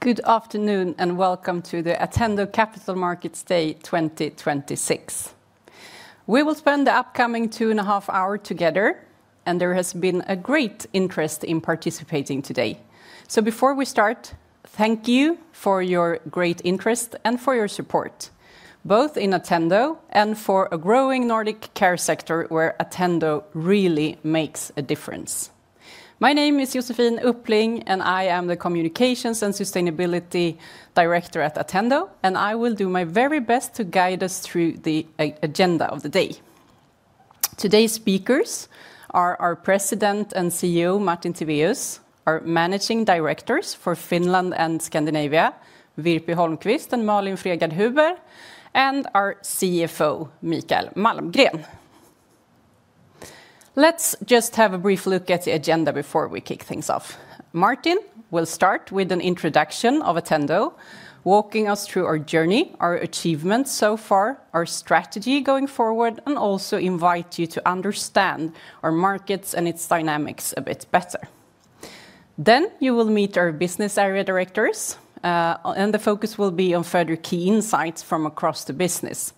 Good afternoon, and welcome to the Attendo Capital Markets Day 2026. We will spend the upcoming 2.5 hours together, and there has been a great interest in participating today. Before we start, thank you for your great interest and for your support, both in Attendo and for a growing Nordic care sector where Attendo really makes a difference. My name is Josefine Uppling, and I am the Communications and Sustainability Director at Attendo, and I will do my very best to guide us through the agenda of the day. Today's speakers are our President and CEO, Martin Tivéus; our Managing Directors for Finland and Scandinavia, Virpi Holmqvist and Malin Fredgardh Huber; and our CFO, Mikael Malmgren. Let's just have a brief look at the agenda before we kick things off. Martin will start with an introduction of Attendo, walking us through our journey, our achievements so far, our strategy going forward, and also invite you to understand our markets and its dynamics a bit better. You will meet our business area directors, and the focus will be on further key insights from across the business,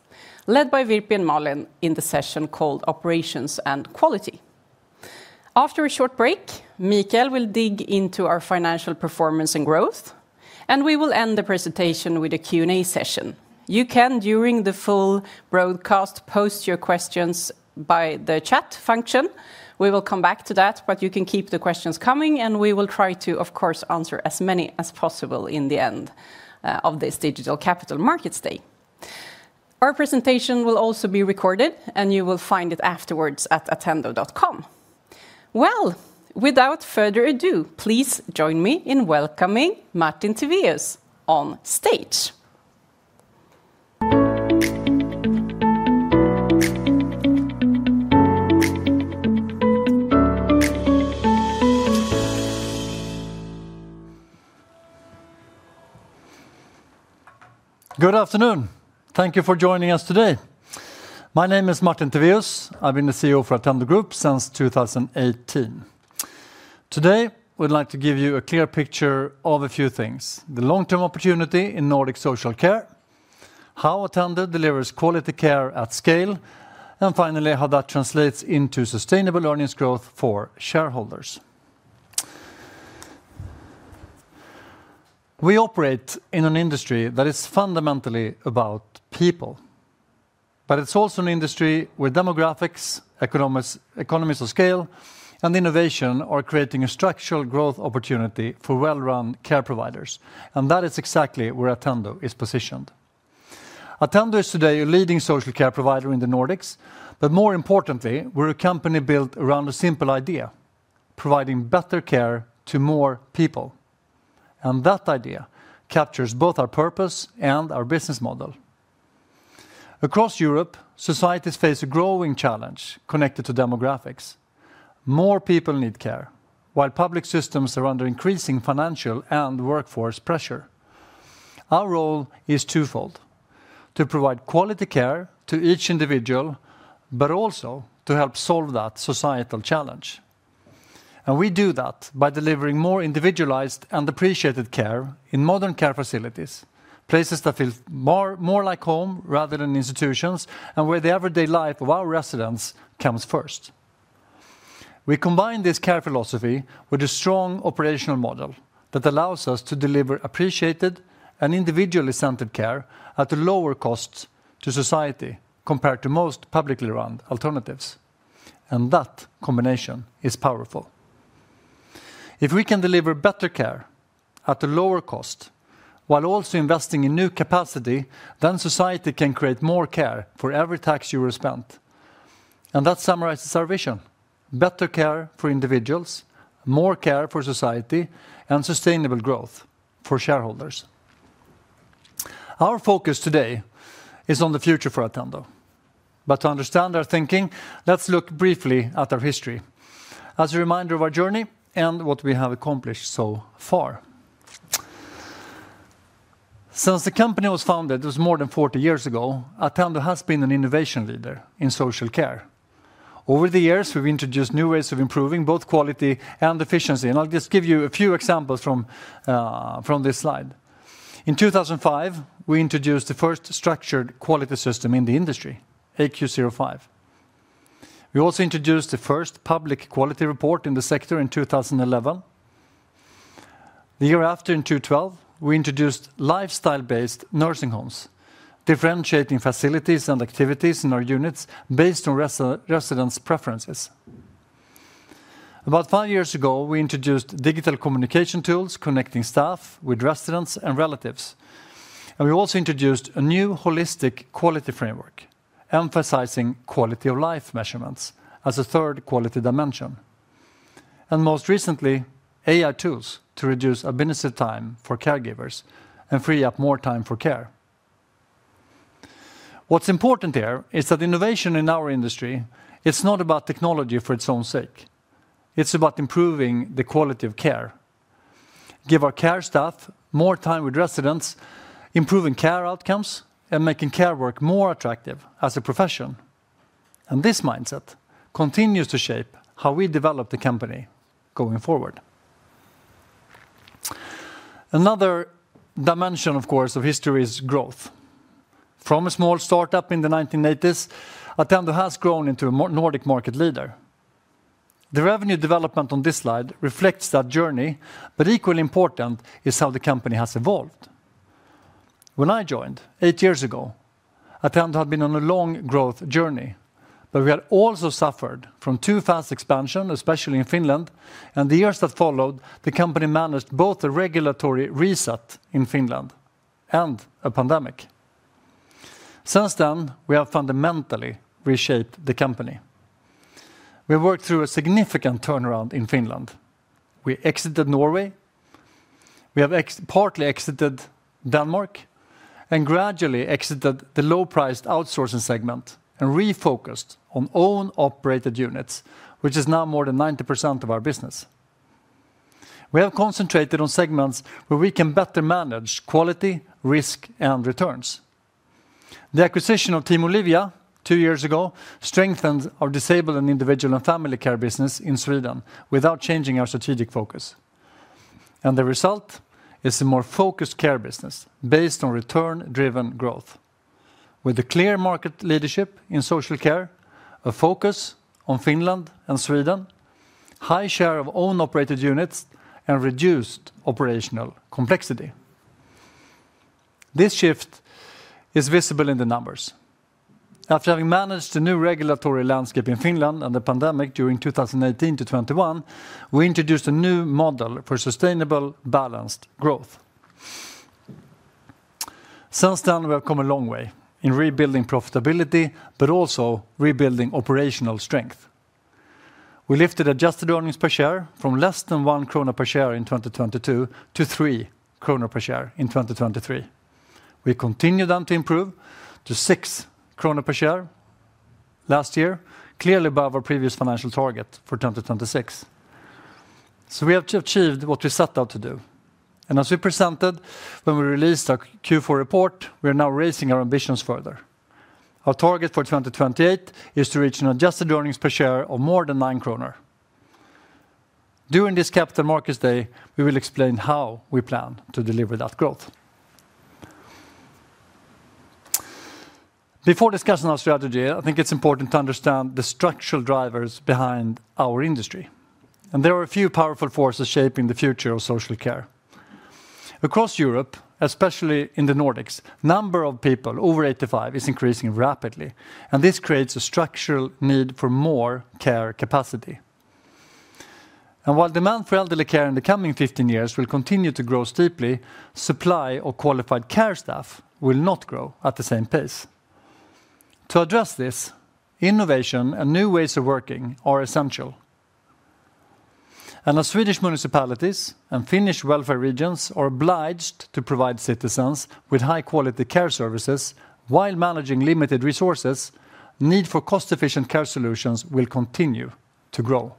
led by Virpi and Malin in the session called Operations & Quality. After a short break, Mikael will dig into our financial performance and growth, and we will end the presentation with a Q&A session. You can, during the full broadcast, post your questions by the chat function. We will come back to that, but you can keep the questions coming, and we will try to, of course, answer as many as possible in the end, of this digital Capital Markets Day. Our presentation will also be recorded, and you will find it afterwards at attendo.com. Well, without further ado, please join me in welcoming Martin Tivéus on stage. Good afternoon. Thank you for joining us today. My name is Martin Tivéus. I've been the CEO for Attendo Group since 2018. Today, we'd like to give you a clear picture of a few things, the long-term opportunity in Nordic social care, how Attendo delivers quality care at scale, and finally, how that translates into sustainable earnings growth for shareholders. We operate in an industry that is fundamentally about people, but it's also an industry where demographics, economies of scale, and innovation are creating a structural growth opportunity for well-run care providers. That is exactly where Attendo is positioned. Attendo is today a leading social care provider in the Nordics, but more importantly, we're a company built around a simple idea, providing better care to more people. That idea captures both our purpose and our business model. Across Europe, societies face a growing challenge connected to demographics. More people need care while public systems are under increasing financial and workforce pressure. Our role is twofold, to provide quality care to each individual, but also to help solve that societal challenge. We do that by delivering more individualized and appreciated care in modern care facilities, places that feel more like home rather than institutions, and where the everyday life of our residents comes first. We combine this care philosophy with a strong operational model that allows us to deliver appreciated and individually centered care at a lower cost to society compared to most publicly run alternatives. That combination is powerful. If we can deliver better care at a lower cost while also investing in new capacity, then society can create more care for every tax euro spent. That summarizes our vision: better care for individuals, more care for society, and sustainable growth for shareholders. Our focus today is on the future for Attendo. To understand our thinking, let's look briefly at our history as a reminder of our journey and what we have accomplished so far. Since the company was founded just more than 40 years ago, Attendo has been an innovation leader in social care. Over the years, we've introduced new ways of improving both quality and efficiency, and I'll just give you a few examples from this slide. In 2005, we introduced the first structured quality system in the industry, AQ zero five. We also introduced the first public quality report in the sector in 2011. The year after, in 2012, we introduced lifestyle-based nursing homes, differentiating facilities and activities in our units based on residents' preferences. About five years ago, we introduced digital communication tools connecting staff with residents and relatives. We also introduced a new holistic quality framework, emphasizing quality of life measurements as a third quality dimension. Most recently, AI tools to reduce administrative time for caregivers and free up more time for care. What's important here is that innovation in our industry, it's not about technology for its own sake. It's about improving the quality of care, give our care staff more time with residents, improving care outcomes, and making care work more attractive as a profession. This mindset continues to shape how we develop the company going forward. Another dimension, of course, of history is growth. From a small startup in the 1980s, Attendo has grown into a Nordic market leader. The revenue development on this slide reflects that journey, but equally important is how the company has evolved. When I joined 8 years ago, Attendo had been on a long growth journey, but we had also suffered from too fast expansion, especially in Finland. In the years that followed, the company managed both the regulatory reset in Finland and a pandemic. Since then, we have fundamentally reshaped the company. We worked through a significant turnaround in Finland. We exited Norway. We have partly exited Denmark and gradually exited the low-priced outsourcing segment and refocused on own operated units, which is now more than 90% of our business. We have concentrated on segments where we can better manage quality, risk, and returns. The acquisition of Team Olivia two years ago strengthened our disabled and individual and family care business in Sweden without changing our strategic focus. The result is a more focused care business based on return-driven growth. With the clear market leadership in social care, a focus on Finland and Sweden, high share of own operated units, and reduced operational complexity. This shift is visible in the numbers. After having managed the new regulatory landscape in Finland and the pandemic during 2018 to 2021, we introduced a new model for sustainable, balanced growth. Since then, we have come a long way in rebuilding profitability but also rebuilding operational strength. We lifted adjusted earnings per share from less than 1 krona per share in 2022 to 3 krona per share in 2023. We continued to improve to 6 krona per share last year, clearly above our previous financial target for 2026. We have achieved what we set out to do. As we presented when we released our Q4 report, we are now raising our ambitions further. Our target for 2028 is to reach an adjusted earnings per share of more than 9 kronor. During this Capital Markets Day, we will explain how we plan to deliver that growth. Before discussing our strategy, I think it's important to understand the structural drivers behind our industry. There are a few powerful forces shaping the future of social care. Across Europe, especially in the Nordics, number of people over 85 is increasing rapidly, and this creates a structural need for more care capacity. While demand for elderly care in the coming 15 years will continue to grow steeply, supply of qualified care staff will not grow at the same pace. To address this, innovation and new ways of working are essential. As Swedish municipalities and Finnish wellbeing services counties are obliged to provide citizens with high-quality care services while managing limited resources, need for cost-efficient care solutions will continue to grow.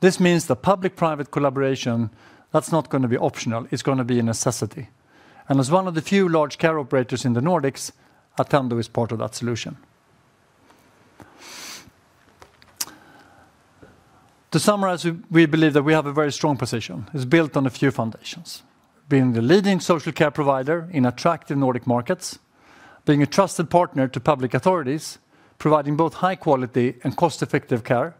This means that public-private collaboration, that's not gonna be optional. It's gonna be a necessity. As one of the few large care operators in the Nordics, Attendo is part of that solution. To summarize, we believe that we have a very strong position. It's built on a few foundations. Being the leading social care provider in attractive Nordic markets, being a trusted partner to public authorities, providing both high quality and cost-effective care,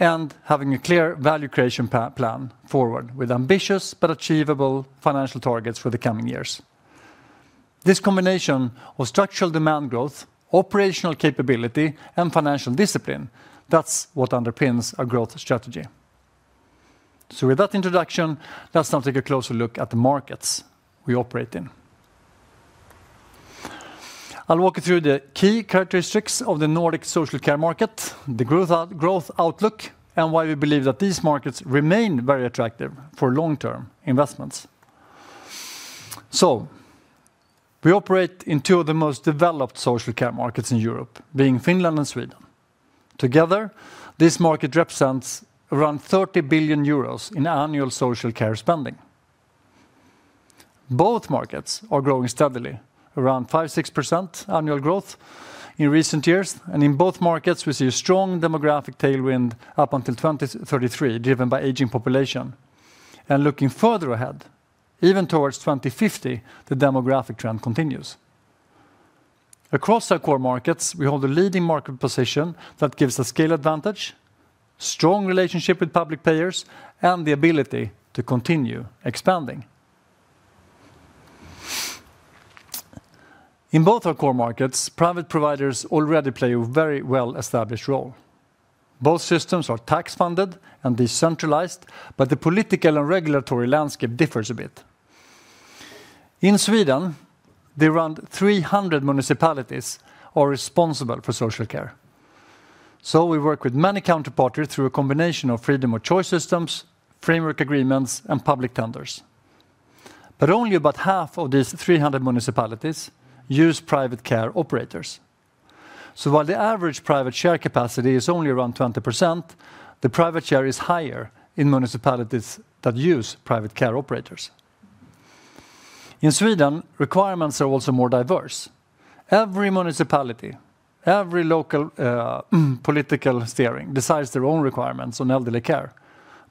and having a clear value creation plan forward with ambitious but achievable financial targets for the coming years. This combination of structural demand growth, operational capability, and financial discipline, that's what underpins our growth strategy. With that introduction, let's now take a closer look at the markets we operate in. I'll walk you through the key characteristics of the Nordic social care market, the growth outlook, and why we believe that these markets remain very attractive for long-term investments. We operate in two of the most developed social care markets in Europe, being Finland and Sweden. Together, this market represents around 30 billion euros in annual social care spending. Both markets are growing steadily, around 5%-6% annual growth in recent years. In both markets, we see a strong demographic tailwind up until 2033, driven by aging population. Looking further ahead, even towards 2050, the demographic trend continues. Across our core markets, we hold a leading market position that gives a scale advantage, strong relationship with public payers, and the ability to continue expanding. In both our core markets, private providers already play a very well-established role. Both systems are tax-funded and decentralized, but the political and regulatory landscape differs a bit. In Sweden, the around 300 municipalities are responsible for social care. We work with many counterparties through a combination of freedom of choice systems, framework agreements, and public tenders. Only about half of these 300 municipalities use private care operators. While the average private share capacity is only around 20%, the private share is higher in municipalities that use private care operators. In Sweden, requirements are also more diverse. Every municipality, every local, political steering decides their own requirements on elderly care,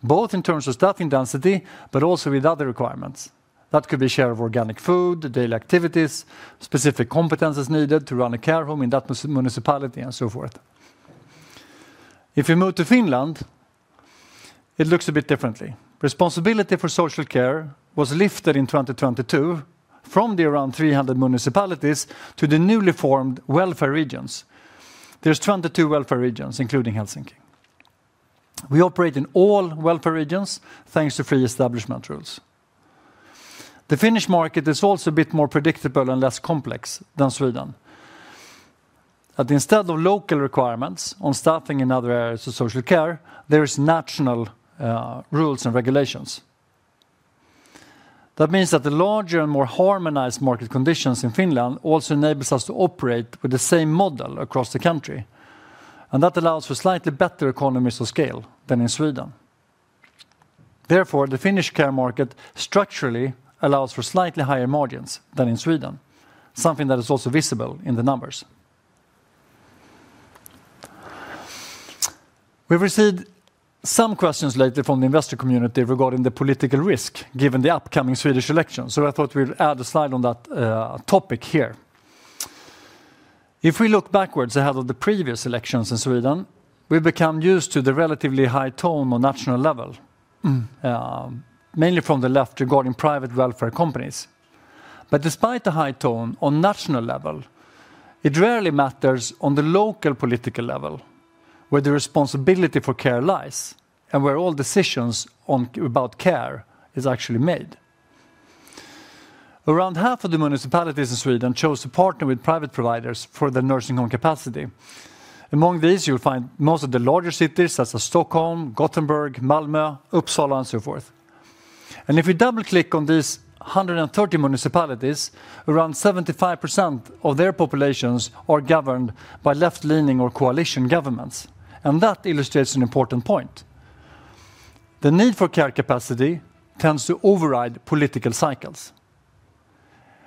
both in terms of staffing density, but also with other requirements. That could be share of organic food, daily activities, specific competencies needed to run a care home in that municipality, and so forth. If we move to Finland, it looks a bit differently. Responsibility for social care was lifted in 2022 from the around 300 municipalities to the newly formed welfare regions. There's 22 welfare regions, including Helsinki. We operate in all welfare regions, thanks to free establishment rules. The Finnish market is also a bit more predictable and less complex than Sweden. That instead of local requirements on staffing in other areas of social care, there is national rules and regulations. That means that the larger and more harmonized market conditions in Finland also enables us to operate with the same model across the country, and that allows for slightly better economies of scale than in Sweden. Therefore, the Finnish care market structurally allows for slightly higher margins than in Sweden, something that is also visible in the numbers. We've received some questions lately from the investor community regarding the political risk, given the upcoming Swedish election, so I thought we'd add a slide on that topic here. If we look back ahead of the previous elections in Sweden, we've become used to the relatively high tone on national level, mainly from the left regarding private welfare companies. Despite the high tone on national level, it rarely matters on the local political level, where the responsibility for care lies and where all decisions about care is actually made. Around half of the municipalities in Sweden chose to partner with private providers for the nursing home capacity. Among these, you will find most of the larger cities, such as Stockholm, Gothenburg, Malmö, Uppsala, and so forth. If we double-click on these 130 municipalities, around 75% of their populations are governed by left-leaning or coalition governments. That illustrates an important point. The need for care capacity tends to override political cycles.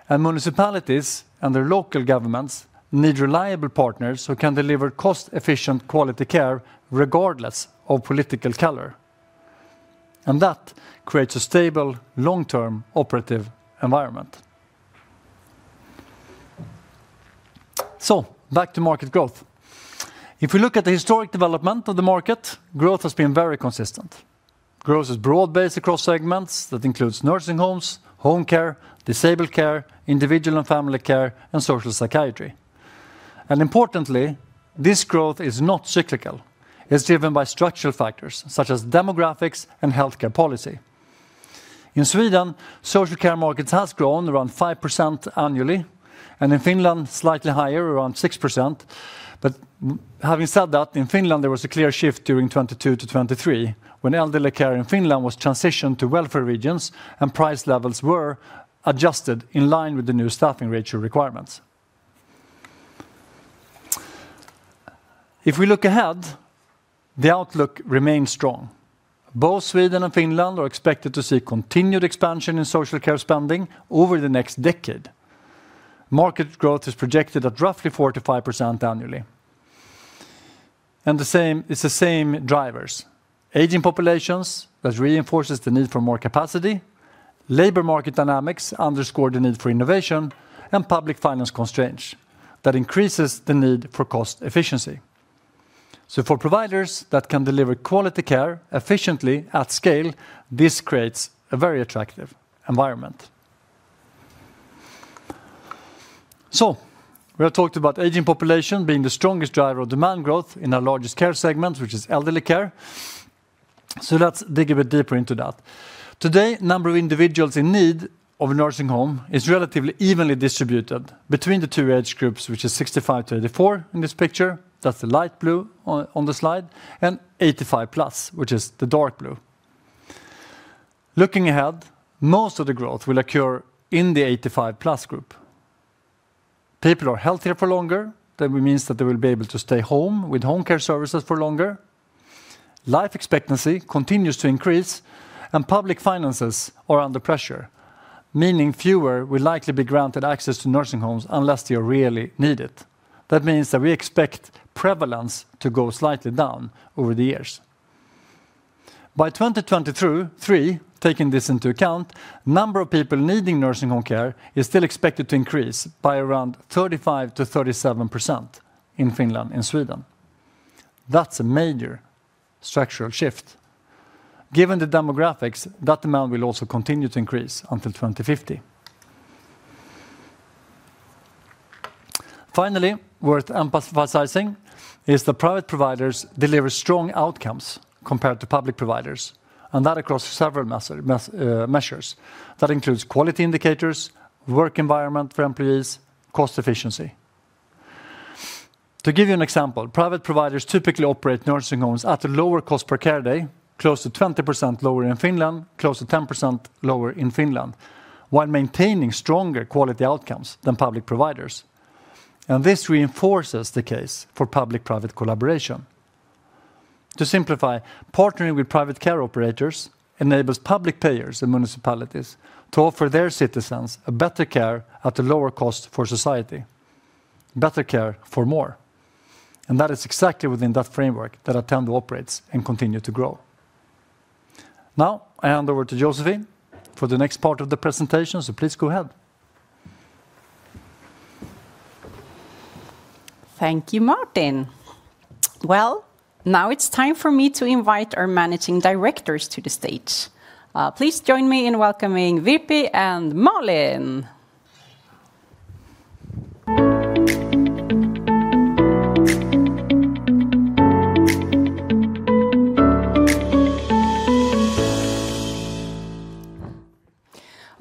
Municipalities and their local governments need reliable partners who can deliver cost-efficient quality care regardless of political color. That creates a stable, long-term operative environment. Back to market growth. If we look at the historic development of the market, growth has been very consistent. Growth is broad-based across segments that includes nursing homes, home care, disabled care, individual and family care, and social psychiatry. Importantly, this growth is not cyclical. It's driven by structural factors such as demographics and healthcare policy. In Sweden, social care markets has grown around 5% annually, and in Finland, slightly higher, around 6%. Having said that, in Finland, there was a clear shift during 2022-2023 when elderly care in Finland was transitioned to wellbeing services counties and price levels were adjusted in line with the new staffing ratio requirements. If we look ahead, the outlook remains strong. Both Sweden and Finland are expected to see continued expansion in social care spending over the next decade. Market growth is projected at roughly 4%-5% annually. It's the same drivers. Aging populations, which reinforces the need for more capacity. Labor market dynamics underscore the need for innovation and public finance constraints. That increases the need for cost efficiency. For providers that can deliver quality care efficiently at scale, this creates a very attractive environment. We have talked about aging population being the strongest driver of demand growth in our largest care segment, which is elderly care. Let's dig a bit deeper into that. Today, number of individuals in need of a nursing home is relatively evenly distributed between the two age groups, which is 65-84 in this picture. That's the light blue on the slide. 85+, which is the dark blue. Looking ahead, most of the growth will occur in the 85+ group. People are healthier for longer. That means that they will be able to stay home with home care services for longer. Life expectancy continues to increase, and public finances are under pressure, meaning fewer will likely be granted access to nursing homes unless they really need it. That means that we expect prevalence to go slightly down over the years. By 2023, taking this into account, number of people needing nursing home care is still expected to increase by around 35%-37% in Finland and Sweden. That's a major structural shift. Given the demographics, that amount will also continue to increase until 2050. Finally, worth emphasizing is the private providers deliver strong outcomes compared to public providers, and that across several measures. That includes quality indicators, work environment for employees, cost efficiency. To give you an example, private providers typically operate nursing homes at a lower cost per care day, close to 20% lower in Finland, close to 10% lower in Finland, while maintaining stronger quality outcomes than public providers. This reinforces the case for public-private collaboration. To simplify partnering with private care operators enables public payers and municipalities to offer their citizens a better care at a lower cost for society. Better care for more. That is exactly within that framework that Attendo operates and continue to grow. Now I hand over to Josefine for the next part of the presentation. Please go ahead. Thank you, Martin. Well, now it's time for me to invite our managing directors to the stage. Please join me in welcoming Virpi and Malin.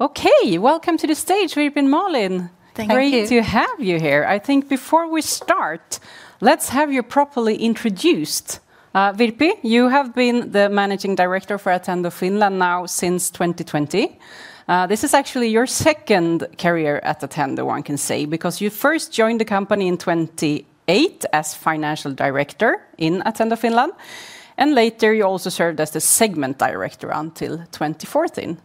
Okay, welcome to the stage, Virpi and Malin. Thank you. Great to have you here. I think before we start, let's have you properly introduced. Virpi, you have been the managing director for Attendo Finland now since 2020. This is actually your second career at Attendo, one can say, because you first joined the company in 2008 as financial director in Attendo Finland, and later you also served as the segment director until 2014.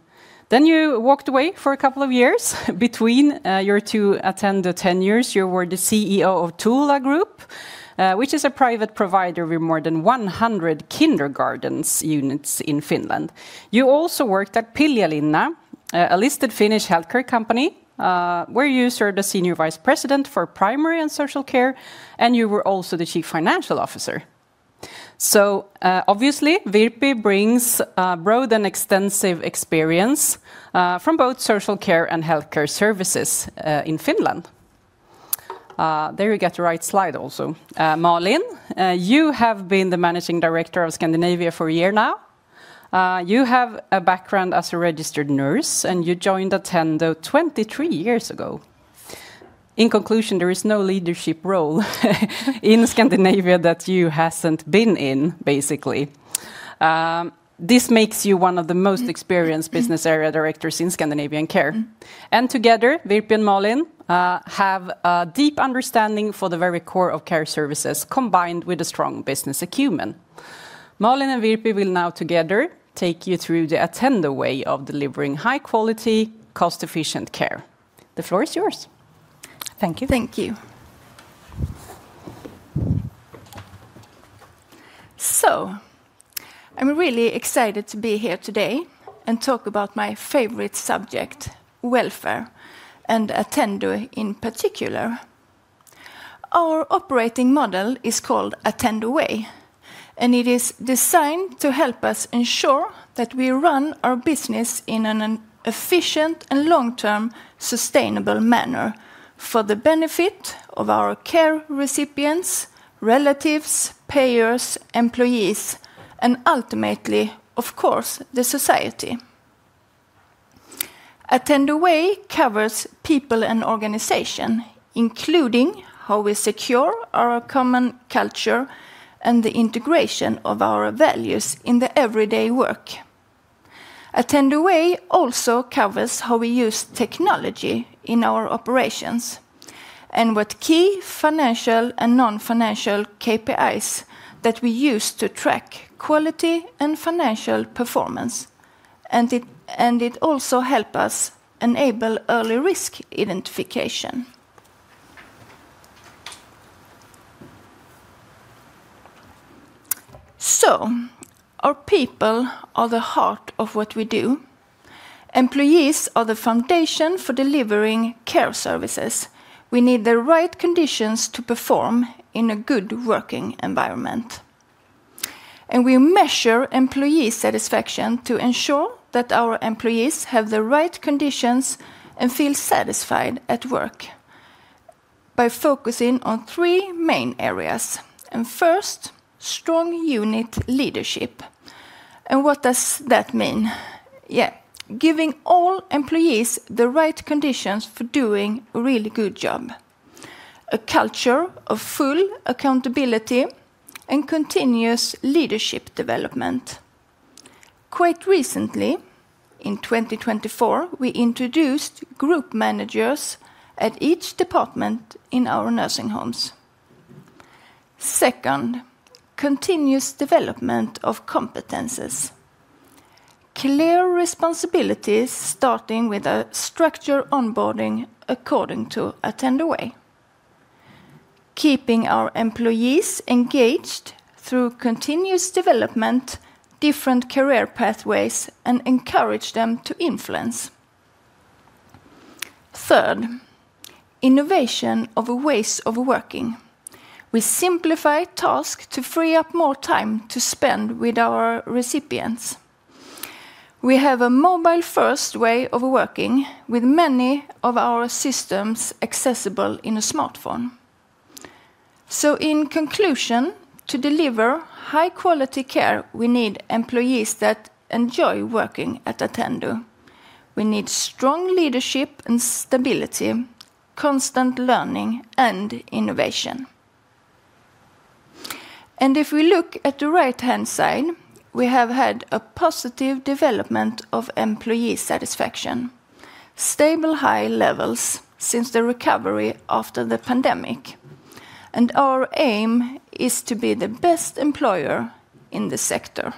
Then you walked away for a couple of years between your two Attendo tenures. You were the CEO of Touhula Group, which is a private provider with more than 100 kindergartens units in Finland. You also worked at Pihlajalinna, a listed Finnish healthcare company, where you served as senior vice president for primary and social care, and you were also the chief financial officer. Obviously, Virpi brings broad and extensive experience from both social care and healthcare services in Finland. There you get the right slide also. Malin, you have been the managing director of Scandinavia for a year now. You have a background as a registered nurse, and you joined Attendo 23 years ago. In conclusion, there is no leadership role in Scandinavia that you hasn't been in, basically. This makes you one of the most experienced business area directors in Scandinavian care. Together, Virpi and Malin have a deep understanding for the very core of care services combined with a strong business acumen. Malin and Virpi will now together take you through the Attendo Way of delivering high quality, cost efficient care. The floor is yours. Thank you. Thank you. I'm really excited to be here today and talk about my favorite subject, welfare, and Attendo in particular. Our operating model is called Attendo Way, and it is designed to help us ensure that we run our business in an efficient and long-term sustainable manner for the benefit of our care recipients, relatives, payers, employees, and ultimately, of course, the society. Attendo Way covers people and organization, including how we secure our common culture and the integration of our values in the everyday work. Attendo Way also covers how we use technology in our operations and what key financial and non-financial KPIs that we use to track quality and financial performance, and it also help us enable early risk identification. Our people are the heart of what we do. Employees are the foundation for delivering care services. We need the right conditions to perform in a good working environment, and we measure employee satisfaction to ensure that our employees have the right conditions and feel satisfied at work by focusing on three main areas. First, strong unit leadership. What does that mean? Yeah, giving all employees the right conditions for doing a really good job, a culture of full accountability and continuous leadership development. Quite recently, in 2024, we introduced group managers at each department in our nursing homes. Second, continuous development of competencies. Clear responsibilities starting with a structured onboarding according to Attendo Way. Keeping our employees engaged through continuous development, different career pathways, and encourage them to influence. Third, innovation of ways of working. We simplify tasks to free up more time to spend with our recipients. We have a mobile-first way of working with many of our systems accessible in a smartphone. In conclusion, to deliver high-quality care, we need employees that enjoy working at Attendo. We need strong leadership and stability, constant learning and innovation. If we look at the right-hand side. We have had a positive development of employee satisfaction, stable high levels since the recovery after the pandemic, and our aim is to be the best employer in the sector.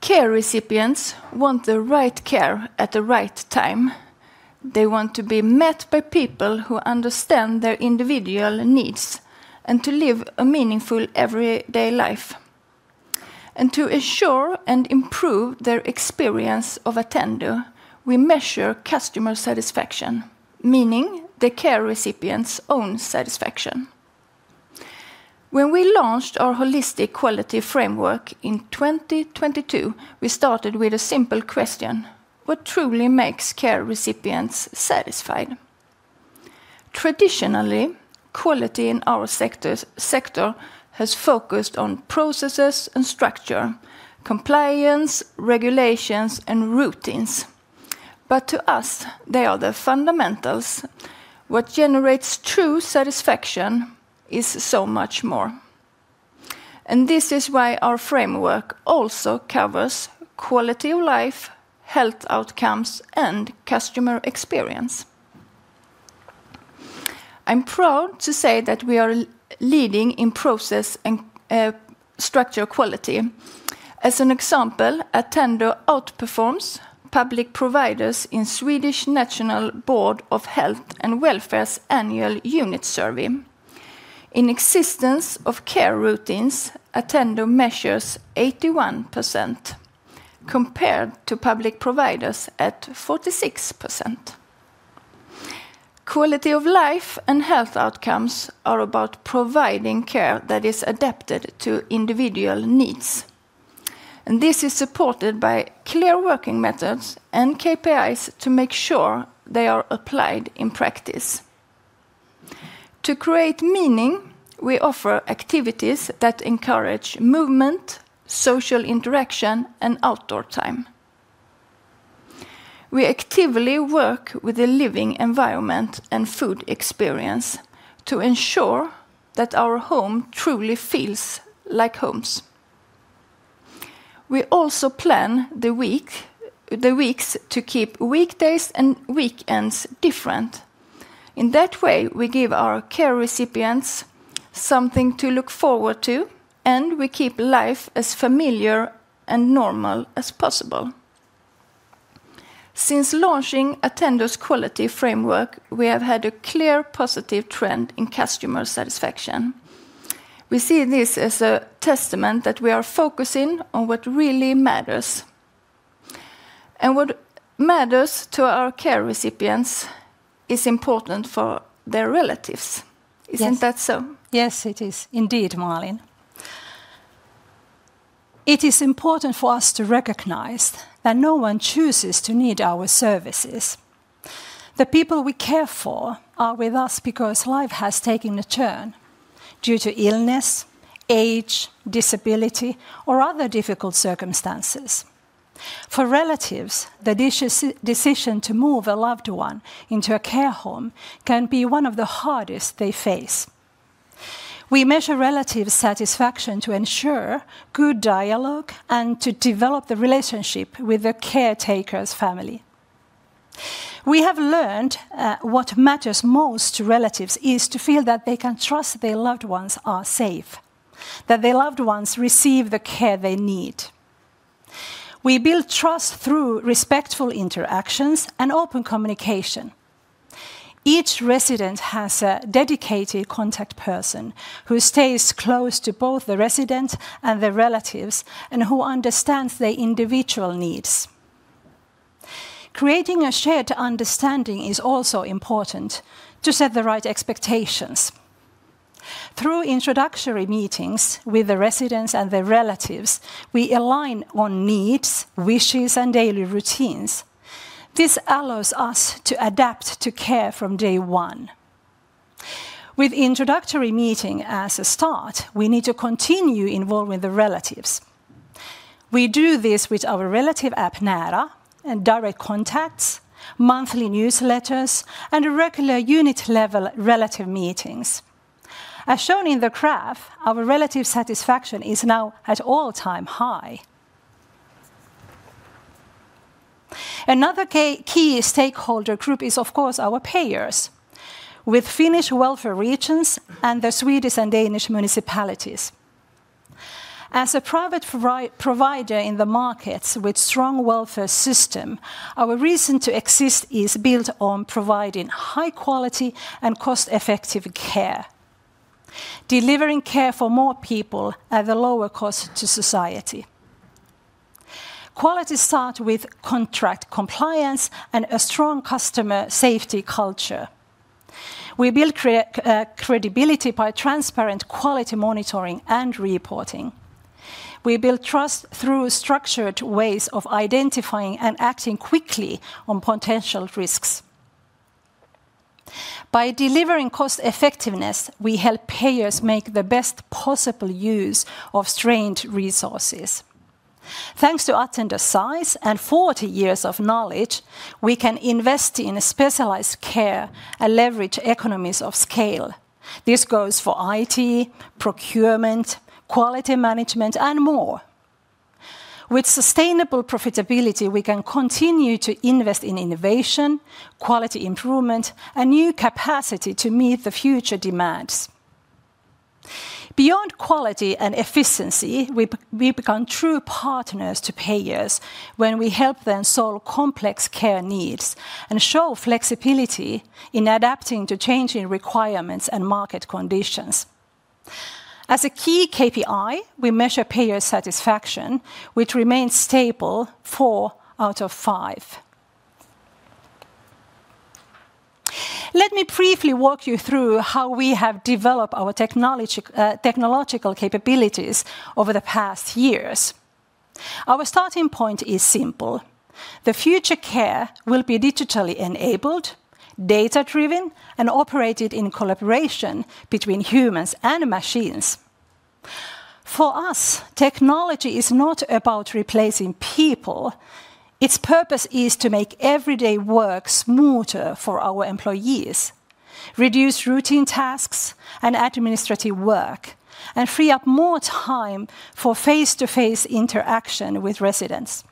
Care recipients want the right care at the right time. They want to be met by people who understand their individual needs and to live a meaningful everyday life. To ensure and improve their experience of Attendo, we measure customer satisfaction, meaning the care recipient's own satisfaction. When we launched our holistic quality framework in 2022, we started with a simple question: What truly makes care recipients satisfied? Traditionally, quality in our sector has focused on processes and structure, compliance, regulations, and routines. To us, they are the fundamentals. What generates true satisfaction is so much more. This is why our framework also covers quality of life, health outcomes, and customer experience. I'm proud to say that we are leading in process and structure quality. As an example, Attendo outperforms public providers in Swedish National Board of Health and Welfare's annual unit survey. In existence of care routines, Attendo measures 81% compared to public providers at 46%. Quality of life and health outcomes are about providing care that is adapted to individual needs. This is supported by clear working methods and KPIs to make sure they are applied in practice. To create meaning, we offer activities that encourage movement, social interaction, and outdoor time. We actively work with the living environment and food experience to ensure that our home truly feels like homes. We also plan the week, the weeks to keep weekdays and weekends different. In that way, we give our care recipients something to look forward to, and we keep life as familiar and normal as possible. Since launching Attendo's quality framework, we have had a clear positive trend in customer satisfaction. We see this as a testament that we are focusing on what really matters. What matters to our care recipients is important for their relatives. Isn't that so? Yes, it is indeed, Malin. It is important for us to recognize that no one chooses to need our services. The people we care for are with us because life has taken a turn due to illness, age, disability, or other difficult circumstances. For relatives, the decision to move a loved one into a care home can be one of the hardest they face. We measure relative satisfaction to ensure good dialogue and to develop the relationship with the caretaker's family. We have learned what matters most to relatives is to feel that they can trust their loved ones are safe, that their loved ones receive the care they need. We build trust through respectful interactions and open communication. Each resident has a dedicated contact person who stays close to both the resident and the relatives and who understands their individual needs. Creating a shared understanding is also important to set the right expectations. Through introductory meetings with the residents and the relatives, we align on needs, wishes, and daily routines. This allows us to adapt to care from day one. With introductory meeting as a start, we need to continue involving the relatives. We do this with our relative app, Nära, and direct contacts, monthly newsletters, and regular unit-level relative meetings. As shown in the graph, our relative satisfaction is now at all-time high. Another key stakeholder group is, of course, our payers with Finnish wellbeing services counties and the Swedish and Danish municipalities. As a private provider in the markets with strong welfare system, our reason to exist is built on providing high quality and cost-effective care, delivering care for more people at a lower cost to society. Quality starts with contract compliance and a strong customer safety culture. We build credibility by transparent quality monitoring and reporting. We build trust through structured ways of identifying and acting quickly on potential risks. By delivering cost effectiveness, we help payers make the best possible use of strained resources. Thanks to Attendo size and 40 years of knowledge, we can invest in specialized care and leverage economies of scale. This goes for IT, procurement, quality management, and more. With sustainable profitability, we can continue to invest in innovation, quality improvement, and new capacity to meet the future demands. Beyond quality and efficiency, we become true partners to payers when we help them solve complex care needs and show flexibility in adapting to changing requirements and market conditions. As a key KPI, we measure payer satisfaction, which remains stable four out of five. Let me briefly walk you through how we have developed our technology, technological capabilities over the past years. Our starting point is simple. The future care will be digitally enabled, data-driven, and operated in collaboration between humans and machines. For us, technology is not about replacing people. Its purpose is to make everyday work smoother for our employees, reduce routine tasks and administrative work, and free up more time for face-to-face interaction with residents.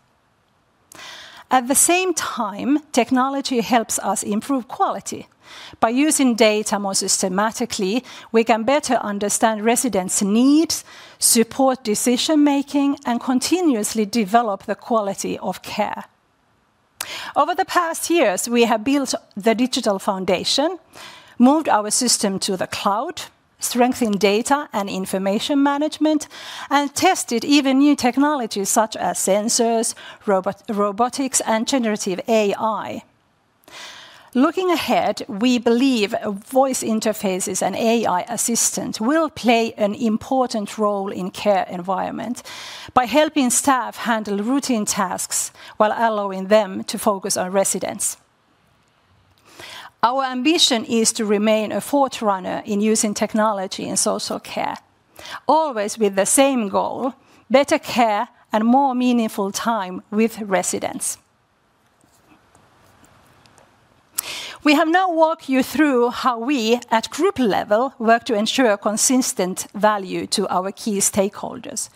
At the same time, technology helps us improve quality. By using data more systematically, we can better understand residents' needs, support decision-making, and continuously develop the quality of care. Over the past years, we have built the digital foundation, moved our system to the cloud, strengthened data and information management, and tested even new technologies such as sensors, robotics, and generative AI. Looking ahead, we believe voice interfaces and AI assistant will play an important role in care environment by helping staff handle routine tasks while allowing them to focus on residents. Our ambition is to remain a forerunner in using technology in social care, always with the same goal, better care and more meaningful time with residents. We have now walked you through how we, at group level, work to ensure consistent value to our key stakeholders.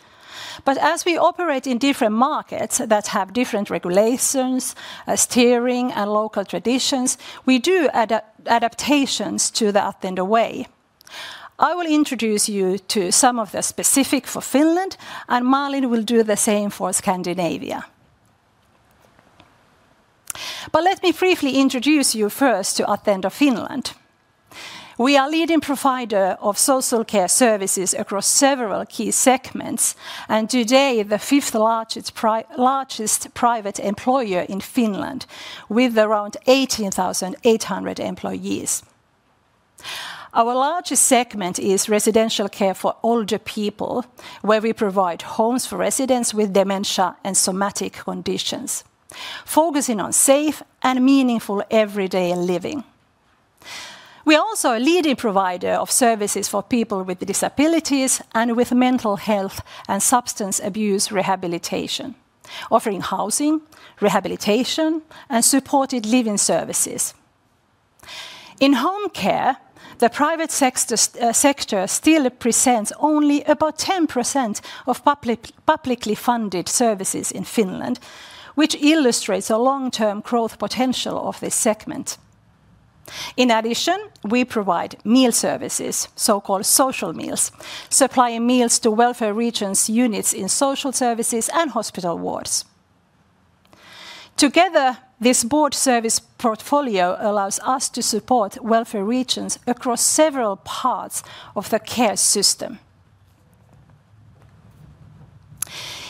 As we operate in different markets that have different regulations, steering, and local traditions, we do adaptations to the Attendo Way. I will introduce you to some of the specifics for Finland, and Malin will do the same for Scandinavia. Let me briefly introduce you first to Attendo Finland. We are leading provider of social care services across several key segments, and today, the fifth largest private employer in Finland with around 18,800 employees. Our largest segment is residential care for older people, where we provide homes for residents with dementia and somatic conditions, focusing on safe and meaningful everyday living. We are also a leading provider of services for people with disabilities and with mental health and substance abuse rehabilitation, offering housing, rehabilitation, and supported living services. In home care, the private sector still presents only about 10% of publicly funded services in Finland, which illustrates a long-term growth potential of this segment. In addition, we provide meal services, so-called social meals, supplying meals to welfare regions, units in social services, and hospital wards. Together, this broad service portfolio allows us to support welfare regions across several parts of the care system.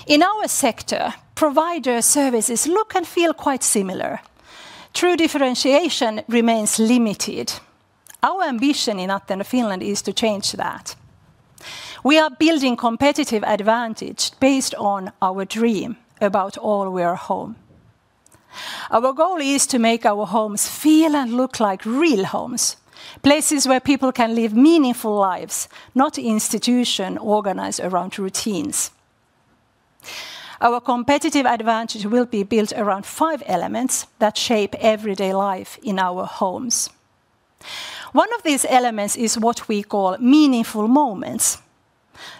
In our sector, provider services look and feel quite similar. True differentiation remains limited. Our ambition in Attendo Finland is to change that. We are building competitive advantage based on our dream about all we are home. Our goal is to make our homes feel and look like real homes, places where people can live meaningful lives, not institutions organized around routines. Our competitive advantage will be built around five elements that shape everyday life in our homes. One of these elements is what we call meaningful moments,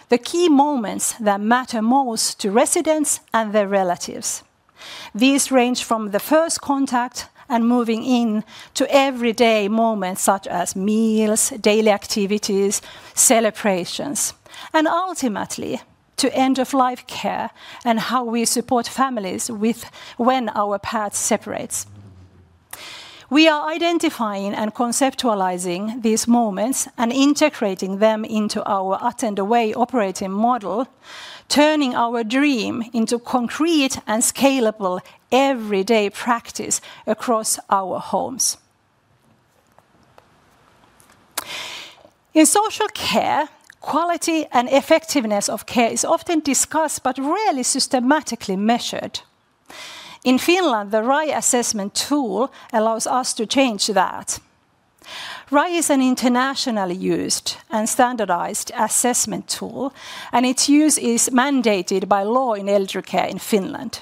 the key moments that matter most to residents and their relatives. These range from the first contact and moving in to everyday moments such as meals, daily activities, celebrations, and ultimately, to end-of-life care and how we support families when our paths separate. We are identifying and conceptualizing these moments and integrating them into our Attendo Way operating model, turning our dream into concrete and scalable everyday practice across our homes. In social care, quality and effectiveness of care is often discussed but rarely systematically measured. In Finland, the RAI assessment tool allows us to change that. RAI is an internationally used and standardized assessment tool, and its use is mandated by law in elder care in Finland.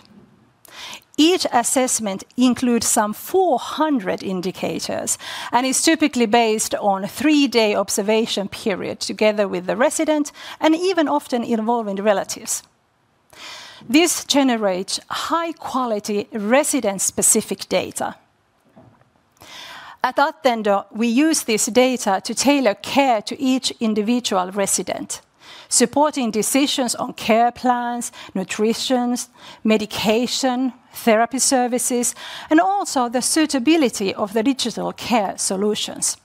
Each assessment includes some 400 indicators and is typically based on a three-day observation period together with the resident and even often involving the relatives. This generates high-quality resident-specific data. At Attendo, we use this data to tailor care to each individual resident, supporting decisions on care plans, nutrition, medication, therapy services, and also the suitability of the digital care solutions.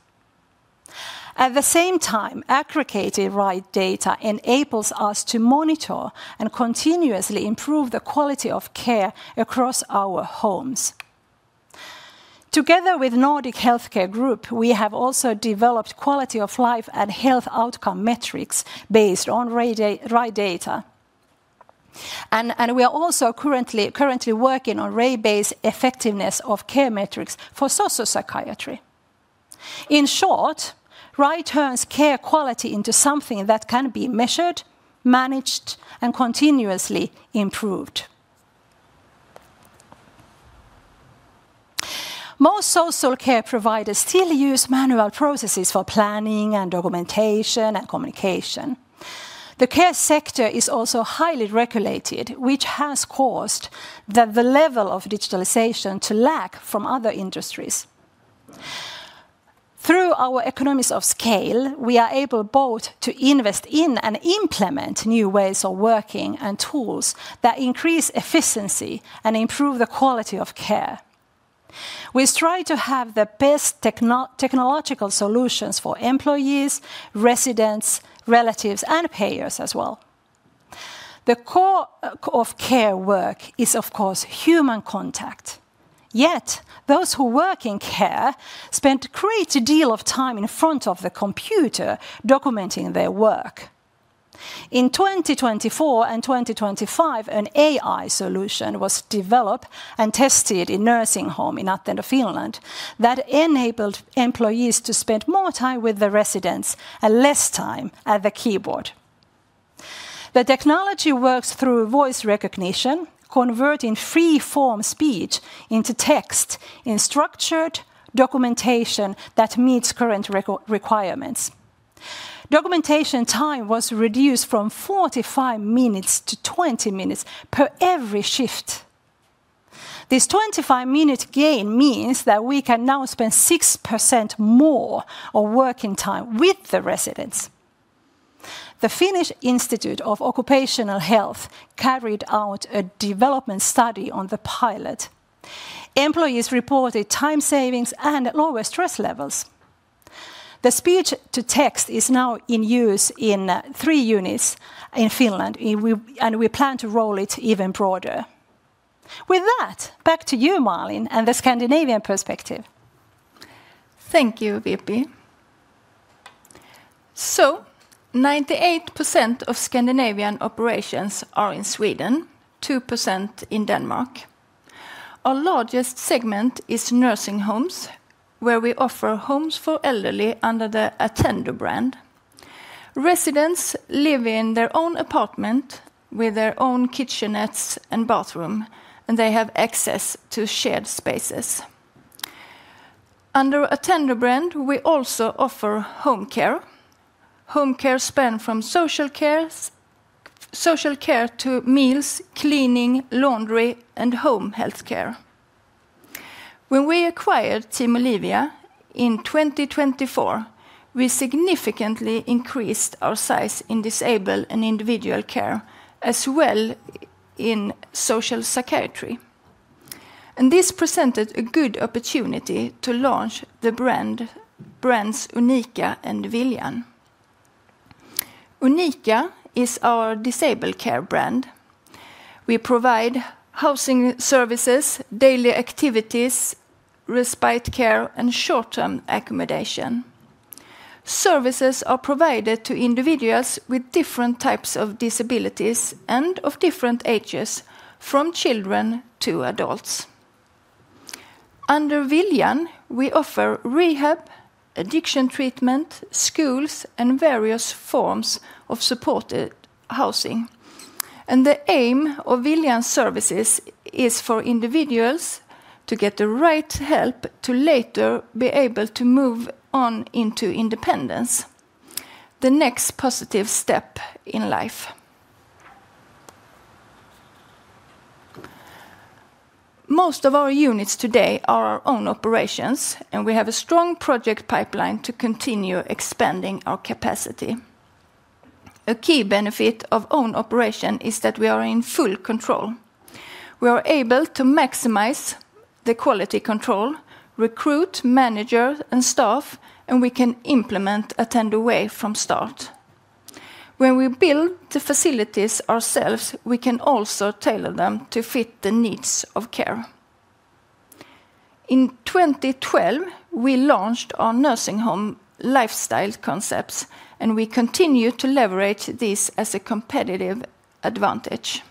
At the same time, aggregated RAI data enables us to monitor and continuously improve the quality of care across our homes. Together with Nordic Healthcare Group, we have also developed quality of life and health outcome metrics based on RAI data. We are also currently working on RAI-based effectiveness of care metrics for social psychiatry. In short, RAI turns care quality into something that can be measured, managed, and continuously improved. Most social care providers still use manual processes for planning and documentation and communication. The care sector is also highly regulated, which has caused the level of digitalization to lag from other industries. Through our economies of scale, we are able both to invest in and implement new ways of working and tools that increase efficiency and improve the quality of care. We strive to have the best technological solutions for employees, residents, relatives, and payers as well. The core of care work is, of course, human contact. Yet, those who work in care spend a great deal of time in front of the computer documenting their work. In 2024 and 2025, an AI solution was developed and tested in nursing home in Attendo Finland that enabled employees to spend more time with the residents and less time at the keyboard. The technology works through voice recognition, converting free-form speech into text in structured documentation that meets current requirements. Documentation time was reduced from 45 minutes to 20 minutes per every shift. This 25-minute gain means that we can now spend 6% more of working time with the residents. The Finnish Institute of Occupational Health carried out a development study on the pilot. Employees reported time savings and lower stress levels. The speech to text is now in use in three units in Finland, and we plan to roll it even broader. With that, back to you, Malin, and the Scandinavian perspective. Thank you, Virpi. 98% of Scandinavian operations are in Sweden, 2% in Denmark. Our largest segment is nursing homes, where we offer homes for elderly under the Attendo brand. Residents live in their own apartment with their own kitchenettes and bathroom, and they have access to shared spaces. Under Attendo brand, we also offer home care. Home care span from social care to meals, cleaning, laundry, and home health care. When we acquired Team Olivia in 2024, we significantly increased our size in disabled and individual care, as well in social psychiatry. This presented a good opportunity to launch the brands Unika and Viljan. Unika is our disabled care brand. We provide housing services, daily activities, respite care, and short-term accommodation. Services are provided to individuals with different types of disabilities and of different ages, from children to adults. Under Viljan, we offer rehab, addiction treatment, schools, and various forms of supported housing. The aim of Viljan services is for individuals to get the right help to later be able to move on into independence, the next positive step in life. Most of our units today are our own operations, and we have a strong project pipeline to continue expanding our capacity. A key benefit of own operation is that we are in full control. We are able to maximize the quality control, recruit manager and staff, and we can implement Attendo Way from start. When we build the facilities ourselves, we can also tailor them to fit the needs of care. In 2012, we launched our nursing home lifestyle concepts, and we continue to leverage this as a competitive advantage.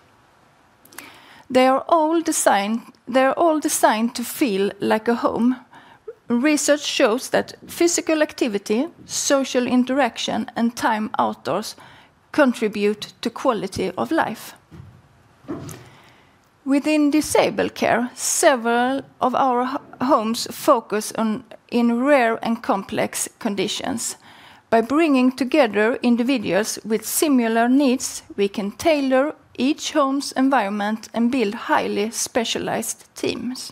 They are all designed to feel like a home. Research shows that physical activity, social interaction, and time outdoors contribute to quality of life. Within disabled care, several of our homes focus on rare and complex conditions. By bringing together individuals with similar needs, we can tailor each home's environment and build highly specialized teams.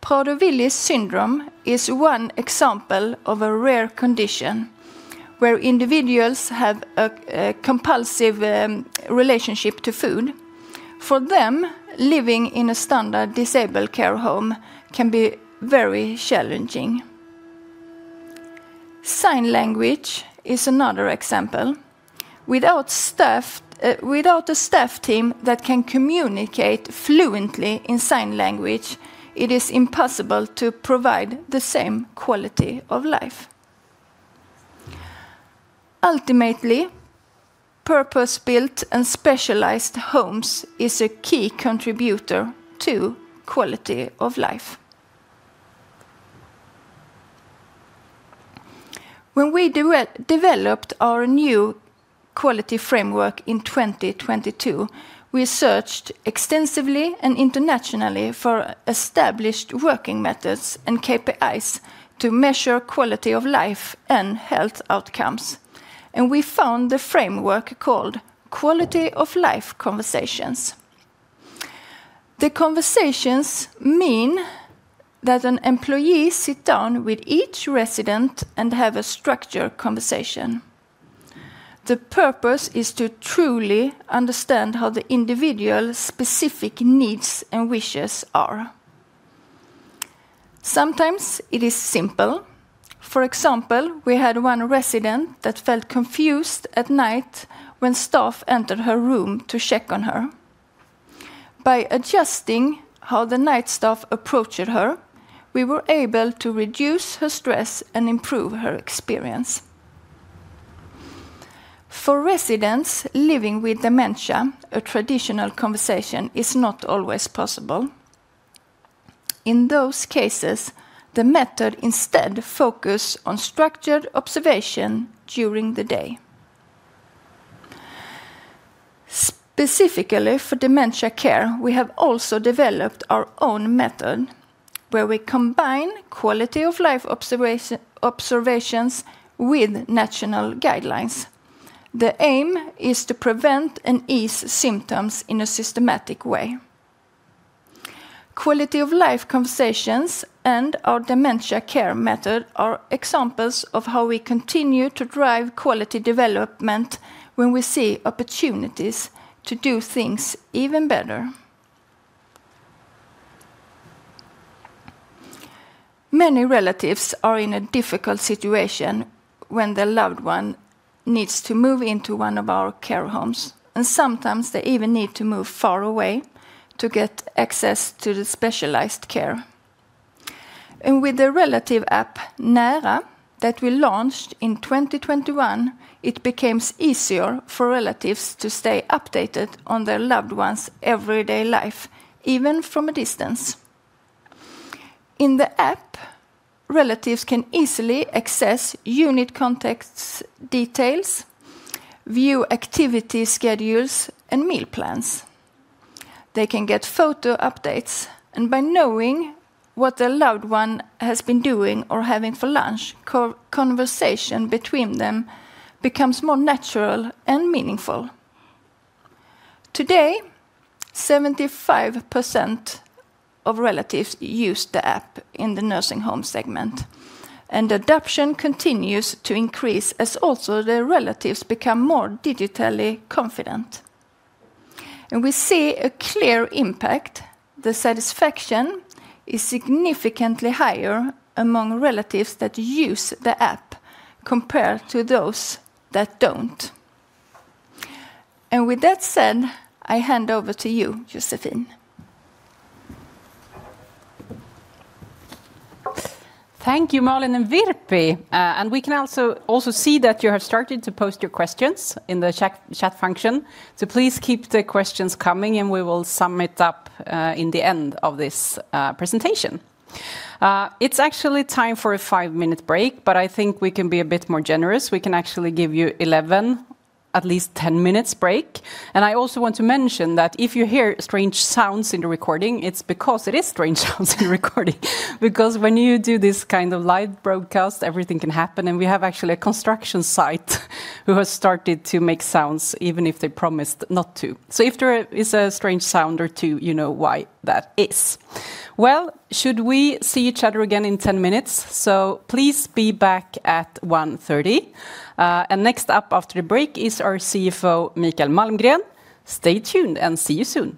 Prader-Willi syndrome is one example of a rare condition where individuals have a compulsive relationship to food. For them, living in a standard disabled care home can be very challenging. Sign language is another example. Without a staff team that can communicate fluently in sign language, it is impossible to provide the same quality of life. Ultimately, purpose-built and specialized homes is a key contributor to quality of life. When we developed our new quality framework in 2022, we searched extensively and internationally for established working methods and KPIs to measure quality of life and health outcomes, and we found the framework called Quality of Life Conversations. The conversations mean that an employee sit down with each resident and have a structured conversation. The purpose is to truly understand how the individual specific needs and wishes are. Sometimes it is simple. For example, we had one resident that felt confused at night when staff entered her room to check on her. By adjusting how the night staff approached her, we were able to reduce her stress and improve her experience. For residents living with dementia, a traditional conversation is not always possible. In those cases, the method instead focus on structured observation during the day. Specifically for dementia care, we have also developed our own method where we combine quality of life observations with national guidelines. The aim is to prevent and ease symptoms in a systematic way. Quality of Life Conversations and our dementia care method are examples of how we continue to drive quality development when we see opportunities to do things even better. Many relatives are in a difficult situation when their loved one needs to move into one of our care homes, and sometimes they even need to move far away to get access to the specialized care. With the relative app, Nära, that we launched in 2021, it became easier for relatives to stay updated on their loved one's everyday life, even from a distance. In the app, relatives can easily access unit contacts details, view activity schedules and meal plans. They can get photo updates, and by knowing what their loved one has been doing or having for lunch, conversation between them becomes more natural and meaningful. Today, 75% of relatives use the app in the nursing home segment, and adoption continues to increase as also the relatives become more digitally confident. We see a clear impact. The satisfaction is significantly higher among relatives that use the app compared to those that don't. With that said, I hand over to you, Josefine. Thank you, Malin and Virpi. We can also see that you have started to post your questions in the chat function. Please keep the questions coming, and we will sum it up in the end of this presentation. It's actually time for a 5-minute break, but I think we can be a bit more generous. We can actually give you 11 minutes, at least 10 minutes break. I also want to mention that if you hear strange sounds in the recording, it's because there are strange sounds in the recording. Because when you do this kind of live broadcast, everything can happen, and we have actually a construction site who has started to make sounds even if they promised not to. If there is a strange sound or two, you know why that is. Well, should we see each other again in 10 minutes? Please be back at 1:30 P.M. Next up after the break is our CFO, Mikael Malmgren. Stay tuned and see you soon.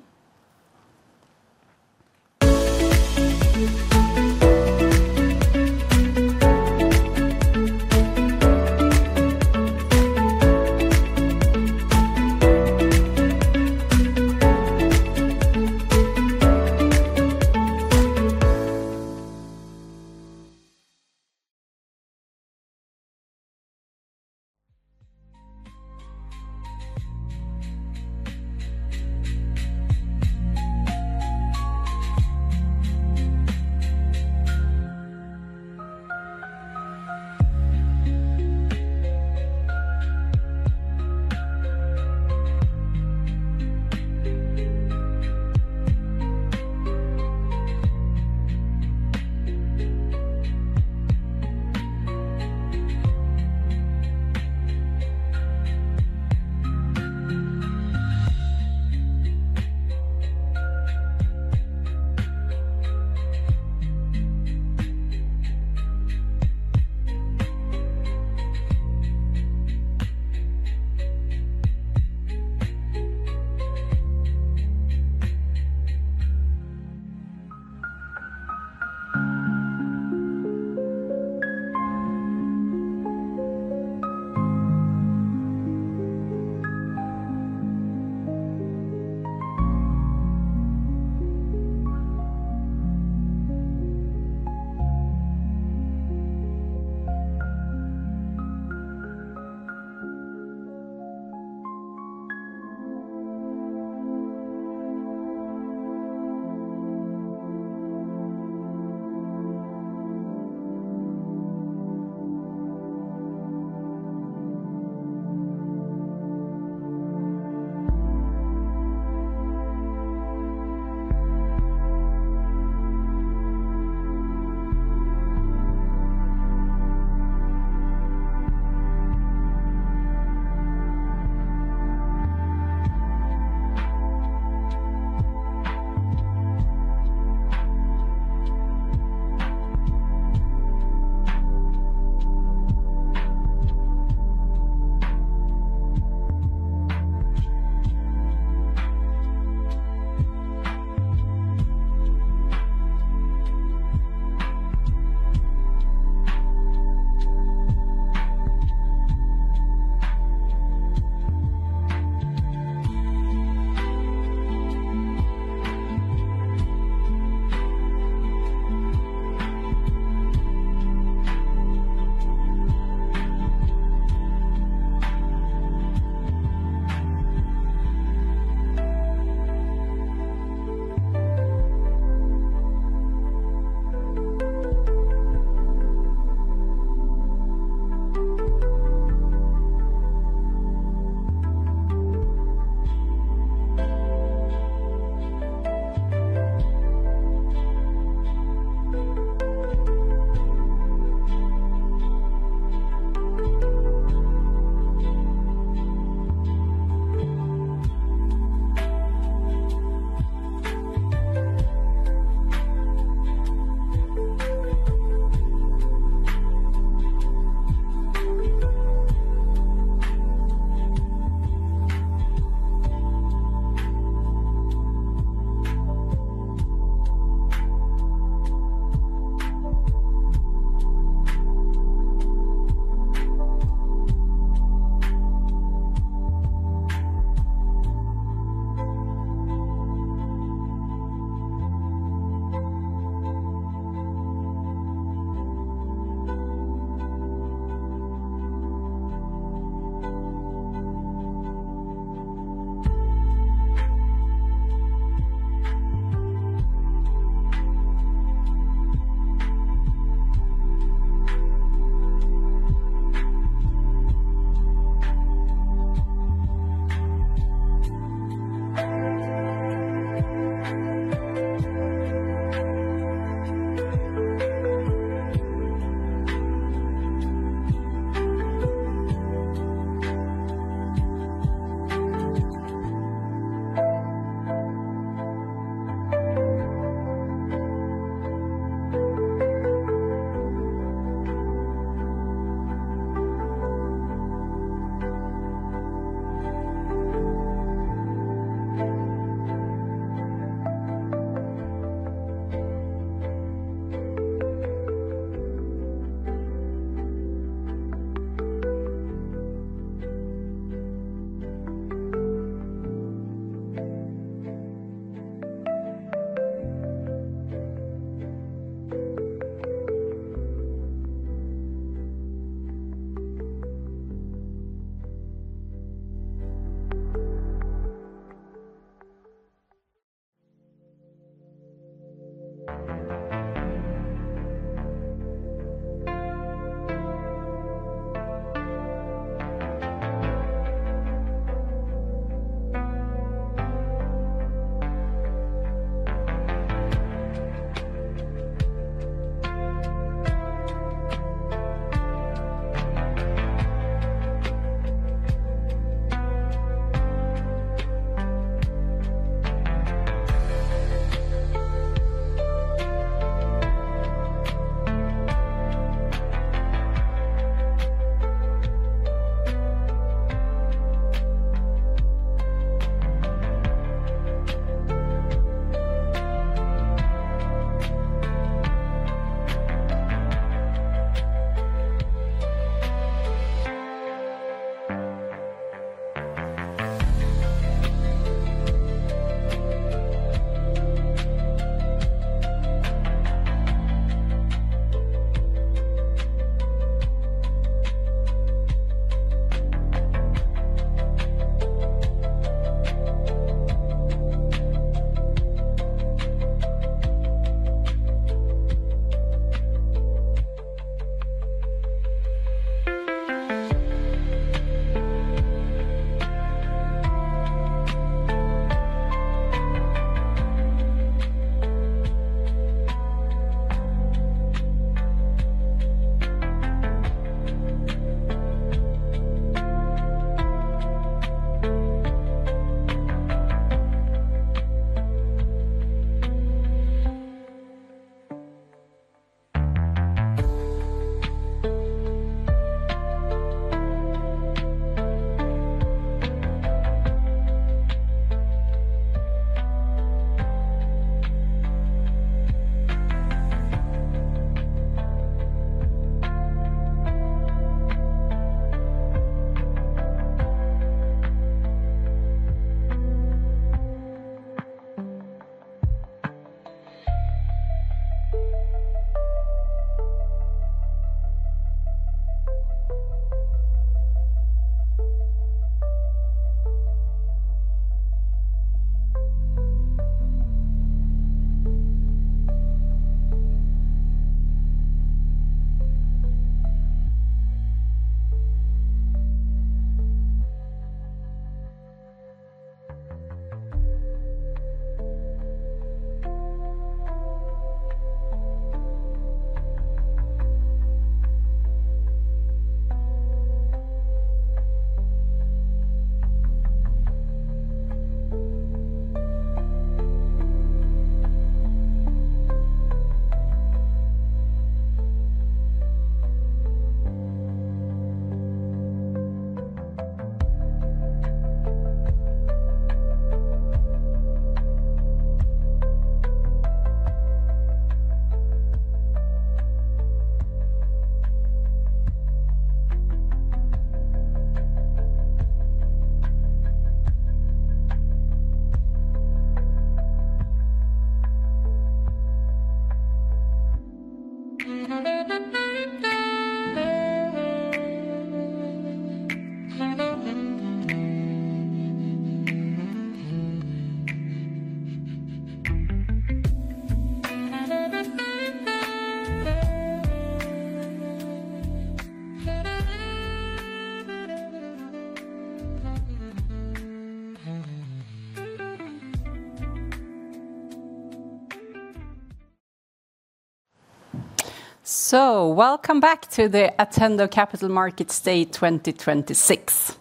Welcome back to the Attendo Capital Markets Day 2026.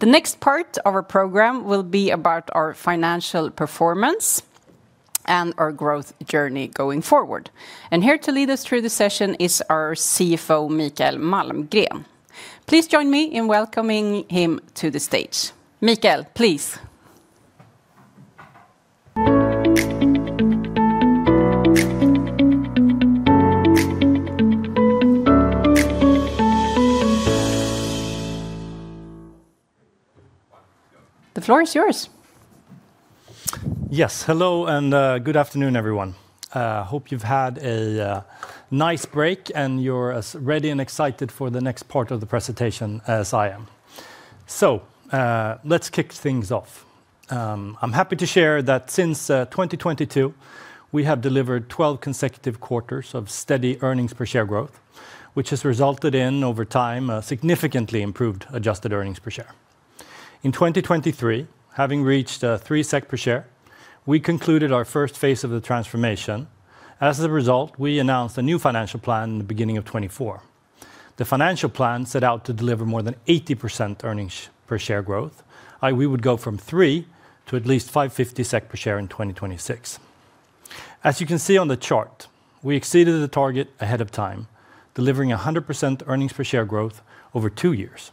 The next part of our program will be about our financial performance and our growth journey going forward. Here to lead us through the session is our CFO, Mikael Malmgren. Please join me in welcoming him to the stage. Mikael, please. The floor is yours. Yes. Hello, and good afternoon, everyone. Hope you've had a nice break and you're as ready and excited for the next part of the presentation as I am. Let's kick things off. I'm happy to share that since 2022, we have delivered 12 consecutive quarters of steady earnings per share growth, which has resulted in, over time, a significantly improved adjusted earnings per share. In 2023, having reached 3 SEK per share, we concluded our first phase of the transformation. As a result, we announced a new financial plan in the beginning of 2024. The financial plan set out to deliver more than 80% earnings per share growth. We would go from three to at least 5.50 SEK per share in 2026. As you can see on the chart, we exceeded the target ahead of time, delivering 100% earnings per share growth over two years.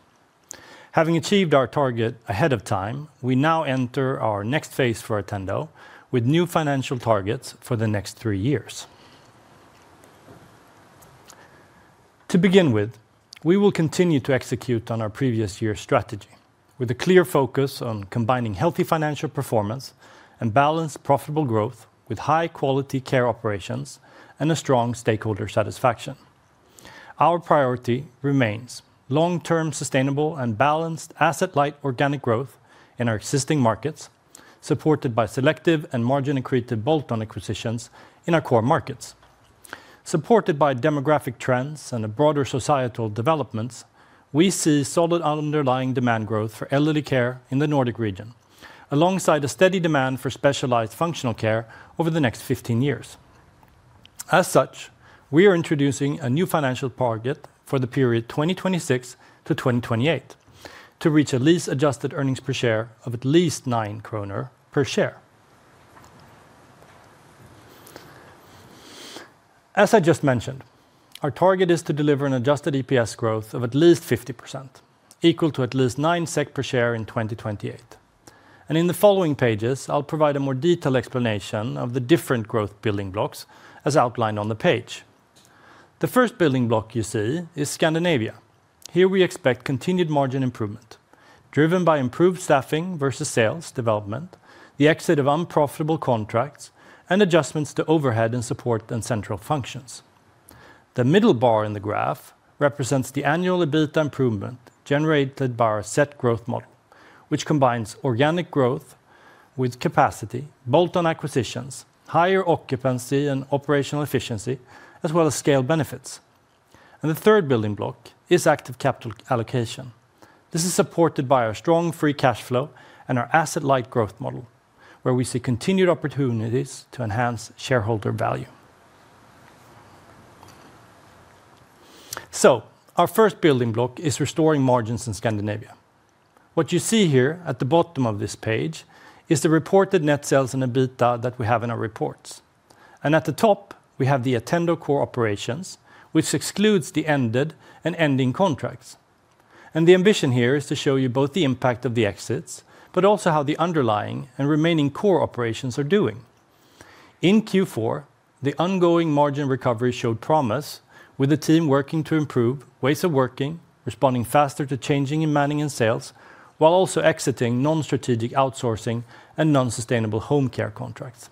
Having achieved our target ahead of time, we now enter our next phase for Attendo with new financial targets for the next three years. To begin with, we will continue to execute on our previous year's strategy with a clear focus on combining healthy financial performance and balanced profitable growth with high-quality care operations and a strong stakeholder satisfaction. Our priority remains long-term sustainable and balanced asset-light organic growth in our existing markets, supported by selective and margin-accretive bolt-on acquisitions in our core markets. Supported by demographic trends and the broader societal developments, we see solid underlying demand growth for elderly care in the Nordic region, alongside a steady demand for specialized functional care over the next 15 years. As such, we are introducing a new financial target for the period 2026 to 2028 to reach at least adjusted earnings per share of at least 9 kronor per share. As I just mentioned, our target is to deliver an adjusted EPS growth of at least 50%, equal to at least 9 SEK per share in 2028. In the following pages, I'll provide a more detailed explanation of the different growth building blocks as outlined on the page. The first building block you see is Scandinavia. Here we expect continued margin improvement. Driven by improved staffing versus sales development, the exit of unprofitable contracts, and adjustments to overhead and support and central functions. The middle bar in the graph represents the annual EBITDA improvement generated by our set growth model, which combines organic growth with capacity, bolt-on acquisitions, higher occupancy and operational efficiency, as well as scale benefits. The third building block is active capital allocation. This is supported by our strong free cash flow and our asset light growth model, where we see continued opportunities to enhance shareholder value. Our first building block is restoring margins in Scandinavia. What you see here at the bottom of this page is the reported net sales and EBITDA that we have in our reports. At the top, we have the Attendo core operations, which excludes the ended and ending contracts. The ambition here is to show you both the impact of the exits, but also how the underlying and remaining core operations are doing. In Q4, the ongoing margin recovery showed promise with the team working to improve ways of working, responding faster to changes in manning and sales, while also exiting non-strategic outsourcing and unsustainable home care contracts.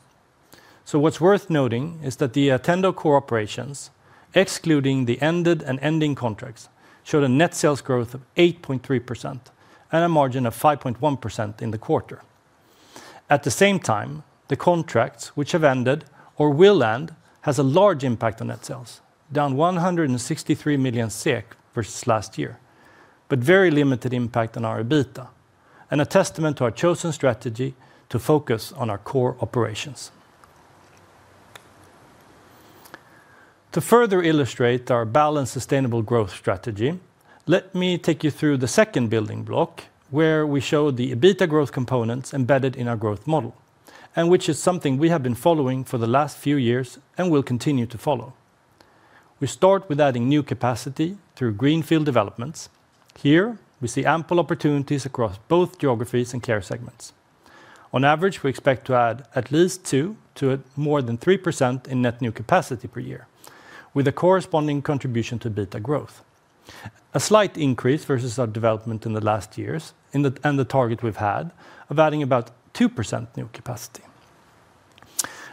What's worth noting is that the Attendo core operations, excluding the ended and ending contracts, showed a net sales growth of 8.3% and a margin of 5.1% in the quarter. At the same time, the contracts which have ended or will end has a large impact on net sales, down 163 million SEK versus last year, but very limited impact on our EBITDA and a testament to our chosen strategy to focus on our core operations. To further illustrate our balanced, sustainable growth strategy, let me take you through the second building block, where we show the EBITDA growth components embedded in our growth model, and which is something we have been following for the last few years and will continue to follow. We start with adding new capacity through greenfield developments. Here we see ample opportunities across both geographies and care segments. On average, we expect to add at least 2% to more than 3% in net new capacity per year, with a corresponding contribution to EBITDA growth. A slight increase versus our development in the last years and the target we've had of adding about 2% new capacity.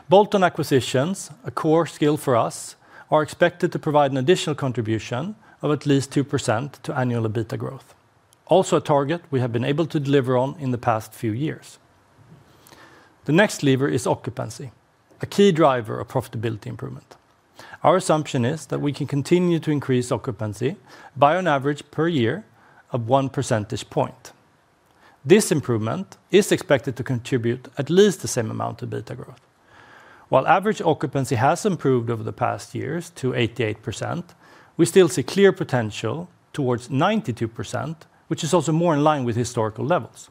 Bolt-on acquisitions, a core skill for us, are expected to provide an additional contribution of at least 2% to annual EBITDA growth. Also a target we have been able to deliver on in the past few years. The next lever is occupancy, a key driver of profitability improvement. Our assumption is that we can continue to increase occupancy by an average per year of one percentage point. This improvement is expected to contribute at least the same amount to EBITDA growth. While average occupancy has improved over the past years to 88%, we still see clear potential towards 92%, which is also more in line with historical levels.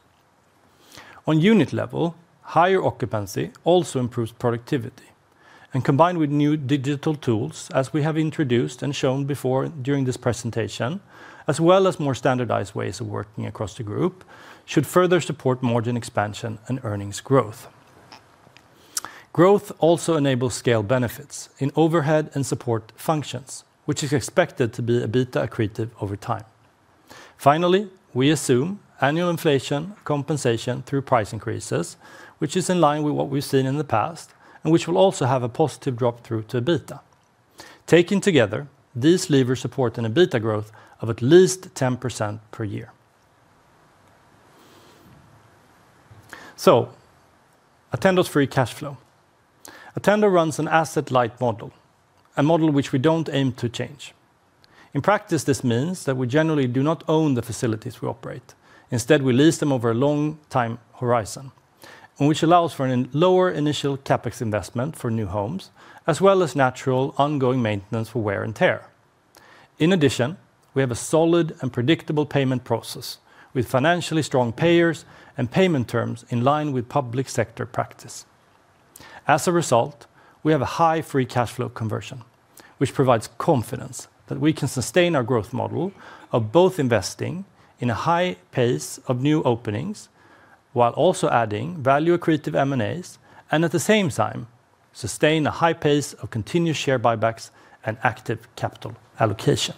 On unit level, higher occupancy also improves productivity, and combined with new digital tools, as we have introduced and shown before during this presentation, as well as more standardized ways of working across the group, should further support margin expansion and earnings growth. Growth also enables scale benefits in overhead and support functions, which is expected to be EBITDA accretive over time. Finally, we assume annual inflation compensation through price increases, which is in line with what we've seen in the past and which will also have a positive drop through to EBITDA. Taken together, these levers support an EBITDA growth of at least 10% per year. Attendo's free cash flow. Attendo runs an asset light model, a model which we don't aim to change. In practice, this means that we generally do not own the facilities we operate. Instead, we lease them over a long time horizon, which allows for a lower initial CapEx investment for new homes, as well as natural ongoing maintenance for wear and tear. In addition, we have a solid and predictable payment process with financially strong payers and payment terms in line with public sector practice. As a result, we have a high free cash flow conversion, which provides confidence that we can sustain our growth model of both investing in a high pace of new openings while also adding value accretive M&As and, at the same time, sustain a high pace of continued share buybacks and active capital allocation.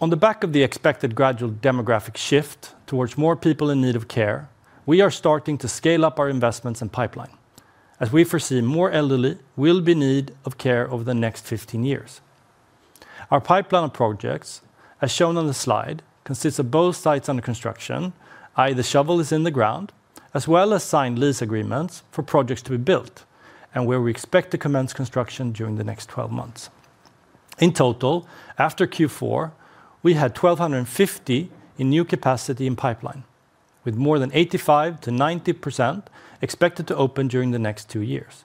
On the back of the expected gradual demographic shift towards more people in need of care, we are starting to scale up our investments and pipeline as we foresee more elderly will be in need of care over the next 15 years. Our pipeline of projects, as shown on the slide, consists of both sites under construction, i.e. the shovel is in the ground, as well as signed lease agreements for projects to be built and where we expect to commence construction during the next 12 months. In total, after Q4, we had 1,250 in new capacity in pipeline, with more than 85%-90% expected to open during the next two years.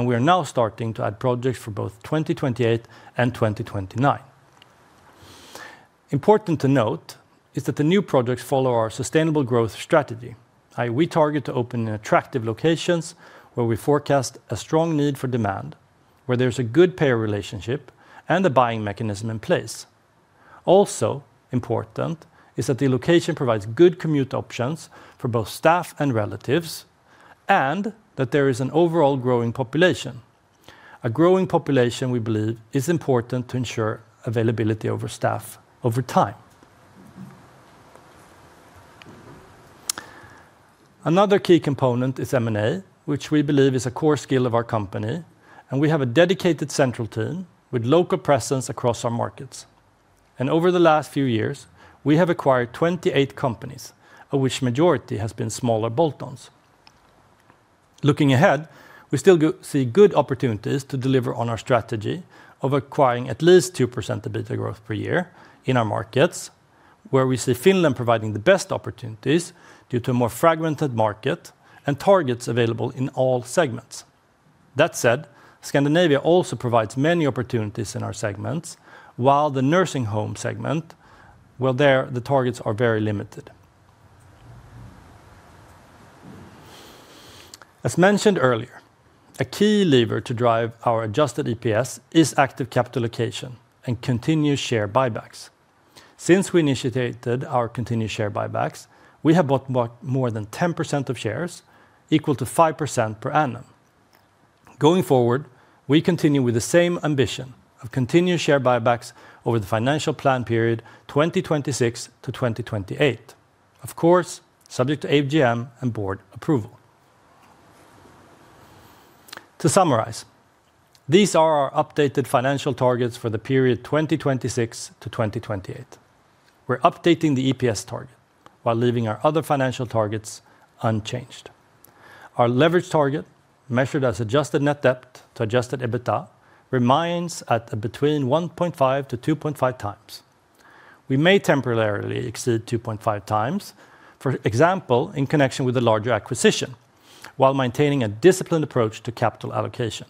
We are now starting to add projects for both 2028 and 2029. Important to note is that the new projects follow our sustainable growth strategy. We target to open in attractive locations where we forecast a strong need for demand, where there's a good payer relationship and a buying mechanism in place. Also important is that the location provides good commute options for both staff and relatives, and that there is an overall growing population. A growing population, we believe, is important to ensure availability over staff over time. Another key component is M&A, which we believe is a core skill of our company, and we have a dedicated central team with local presence across our markets. Over the last few years, we have acquired 28 companies, of which majority has been smaller bolt-ons. Looking ahead, we still see good opportunities to deliver on our strategy of acquiring at least 2% EBITDA growth per year in our markets, where we see Finland providing the best opportunities due to a more fragmented market and targets available in all segments. That said, Scandinavia also provides many opportunities in our segments while the nursing home segment, well there, the targets are very limited. As mentioned earlier, a key lever to drive our adjusted EPS is active capital location and continued share buybacks. Since we initiated our continued share buybacks, we have bought back more than 10% of shares, equal to 5% per annum. Going forward, we continue with the same ambition of continued share buybacks over the financial plan period 2026 to 2028. Of course, subject to AGM and board approval. To summarize, these are our updated financial targets for the period 2026-2028. We're updating the EPS target while leaving our other financial targets unchanged. Our leverage target, measured as adjusted net debt to adjusted EBITDA, remains at between 1.5x-2.5x. We may temporarily exceed 2.5x, for example, in connection with a larger acquisition, while maintaining a disciplined approach to capital allocation.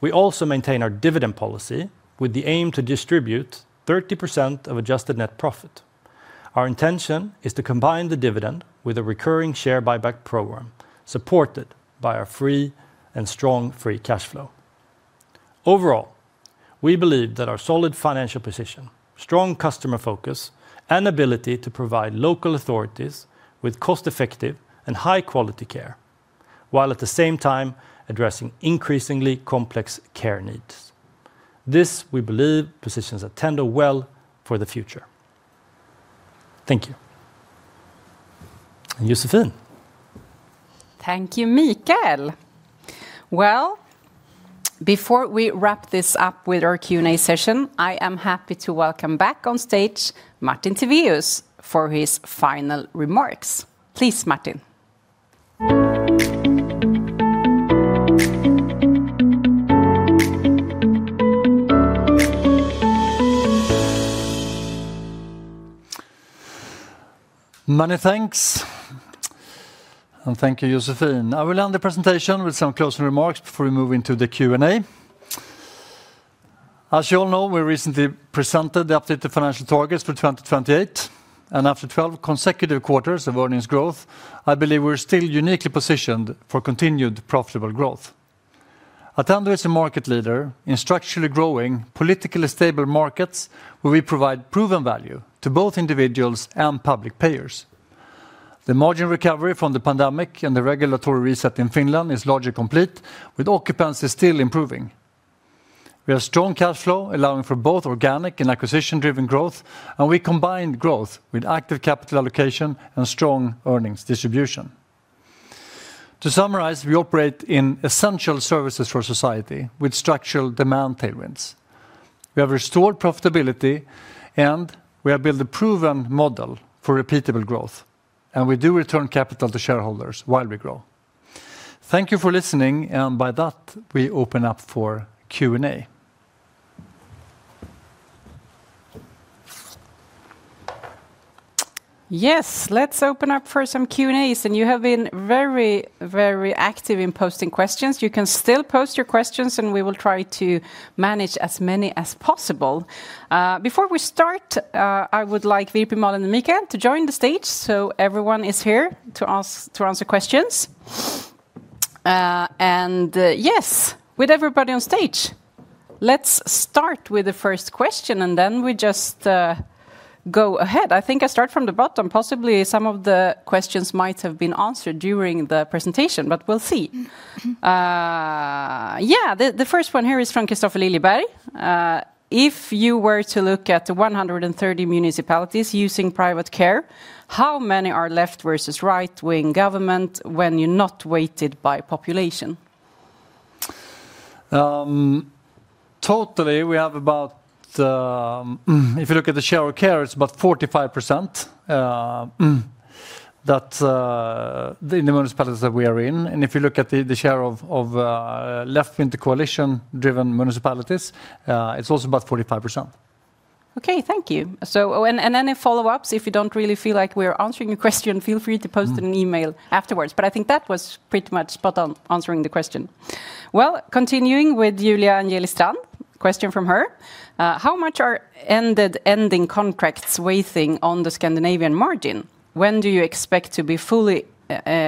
We also maintain our dividend policy with the aim to distribute 30% of adjusted net profit. Our intention is to combine the dividend with a recurring share buyback program supported by our free and strong free cash flow. Overall, we believe that our solid financial position, strong customer focus, and ability to provide local authorities with cost-effective and high-quality care, while at the same time addressing increasingly complex care needs. This, we believe, positions Attendo well for the future. Thank you. Josefine? Thank you, Mikael. Well, before we wrap this up with our Q&A session, I am happy to welcome back on stage Martin Tivéus for his final remarks. Please, Martin. Many thanks. Thank you, Josefine. I will end the presentation with some closing remarks before we move into the Q&A. As you all know, we recently presented the updated financial targets for 2028, and after 12 consecutive quarters of earnings growth, I believe we're still uniquely positioned for continued profitable growth. Attendo is a market leader in structurally growing, politically stable markets where we provide proven value to both individuals and public payers. The margin recovery from the pandemic and the regulatory reset in Finland is largely complete, with occupancy still improving. We have strong cash flow allowing for both organic and acquisition-driven growth, and we combine growth with active capital allocation and strong earnings distribution. To summarize, we operate in essential services for society with structural demand tailwinds. We have restored profitability, and we have built a proven model for repeatable growth, and we do return capital to shareholders while we grow. Thank you for listening, and by that, we open up for Q&A. Yes, let's open up for some Q&As, and you have been very, very active in posting questions. You can still post your questions, and we will try to manage as many as possible. Before we start, I would like VP Malin and Mikael to join the stage, so everyone is here to answer questions. With everybody on stage, let's start with the first question, and then we just go ahead. I think I start from the bottom. Possibly some of the questions might have been answered during the presentation, but we'll see. The first one here is from Kristofer Liljeblad. If you were to look at the 130 municipalities using private care, how many are left versus right-wing government when you're not weighted by population? Totally we have about, if you look at the share of care, it's about 45% that the municipalities that we are in. If you look at the share of left-wing coalition driven municipalities, it's also about 45%. Okay. Thank you. Any follow-ups, if you don't really feel like we're answering your question, feel free to post an email afterwards. I think that was pretty much spot on answering the question. Well, continuing with Julia Angeli Strand, question from her. How much are ending contracts weighing on the Scandinavian margin? When do you expect to be fully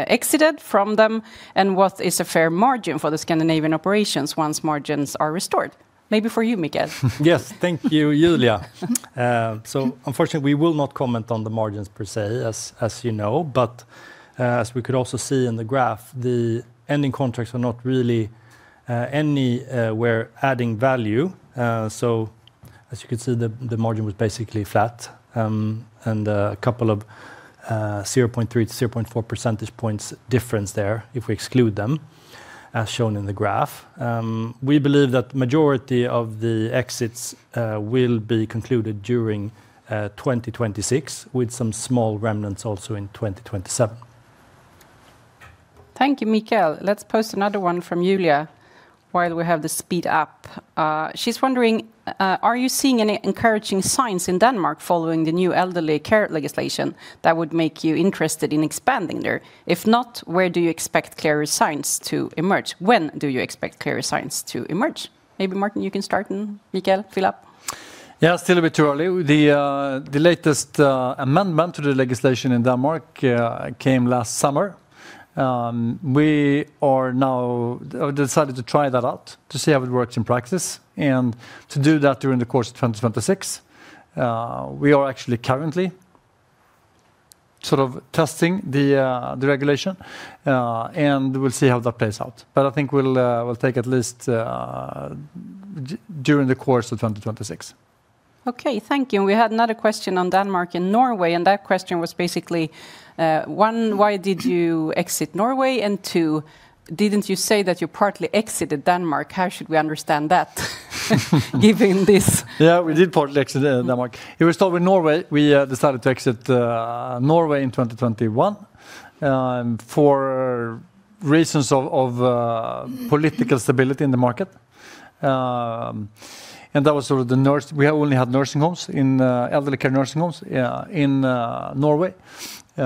exited from them? And what is a fair margin for the Scandinavian operations once margins are restored? Maybe for you, Mikael. Yes. Thank you, Julia. Unfortunately, we will not comment on the margins per se, as you know. As we could also see in the graph, the ending contracts are not really anywhere adding value. As you can see, the margin was basically flat, and a couple of 0.3-0.4 percentage points difference there if we exclude them, as shown in the graph. We believe that majority of the exits will be concluded during 2026 with some small remnants also in 2027. Thank you, Mikael. Let's post another one from Julia while we have the speed up. She's wondering, are you seeing any encouraging signs in Denmark following the new elderly care legislation that would make you interested in expanding there? If not, where do you expect clearer signs to emerge? When do you expect clearer signs to emerge? Maybe Martin, you can start and Mikael fill in. Yeah, still a bit too early. The latest amendment to the legislation in Denmark came last summer. We are now decided to try that out to see how it works in practice, and to do that during the course of 2026. We are actually currently sort of testing the regulation, and we'll see how that plays out. I think we'll take at least during the course of 2026. Okay, thank you. We had another question on Denmark and Norway, and that question was basically, one, why did you exit Norway? And two, didn't you say that you partly exited Denmark? How should we understand that given this? Yeah, we did partly exit Denmark. If we start with Norway, we decided to exit Norway in 2021 for reasons of political stability in the market. That was sort of we only had nursing homes in elderly care nursing homes, yeah, in Norway. We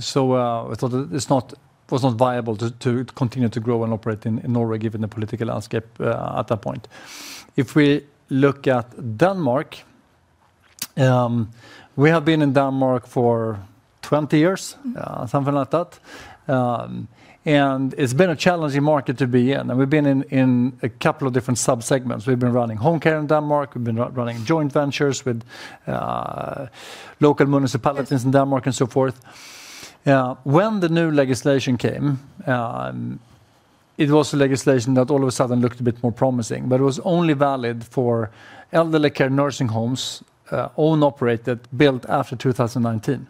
thought it was not viable to continue to grow and operate in Norway given the political landscape at that point. If we look at Denmark, we have been in Denmark for 20 years, something like that. It's been a challenging market to be in, and we've been in a couple of different sub-segments. We've been running home care in Denmark. We've been running joint ventures with local municipalities in Denmark and so forth. When the new legislation came, it was a legislation that all of a sudden looked a bit more promising, but it was only valid for elderly care nursing homes, own-operated, built after 2019.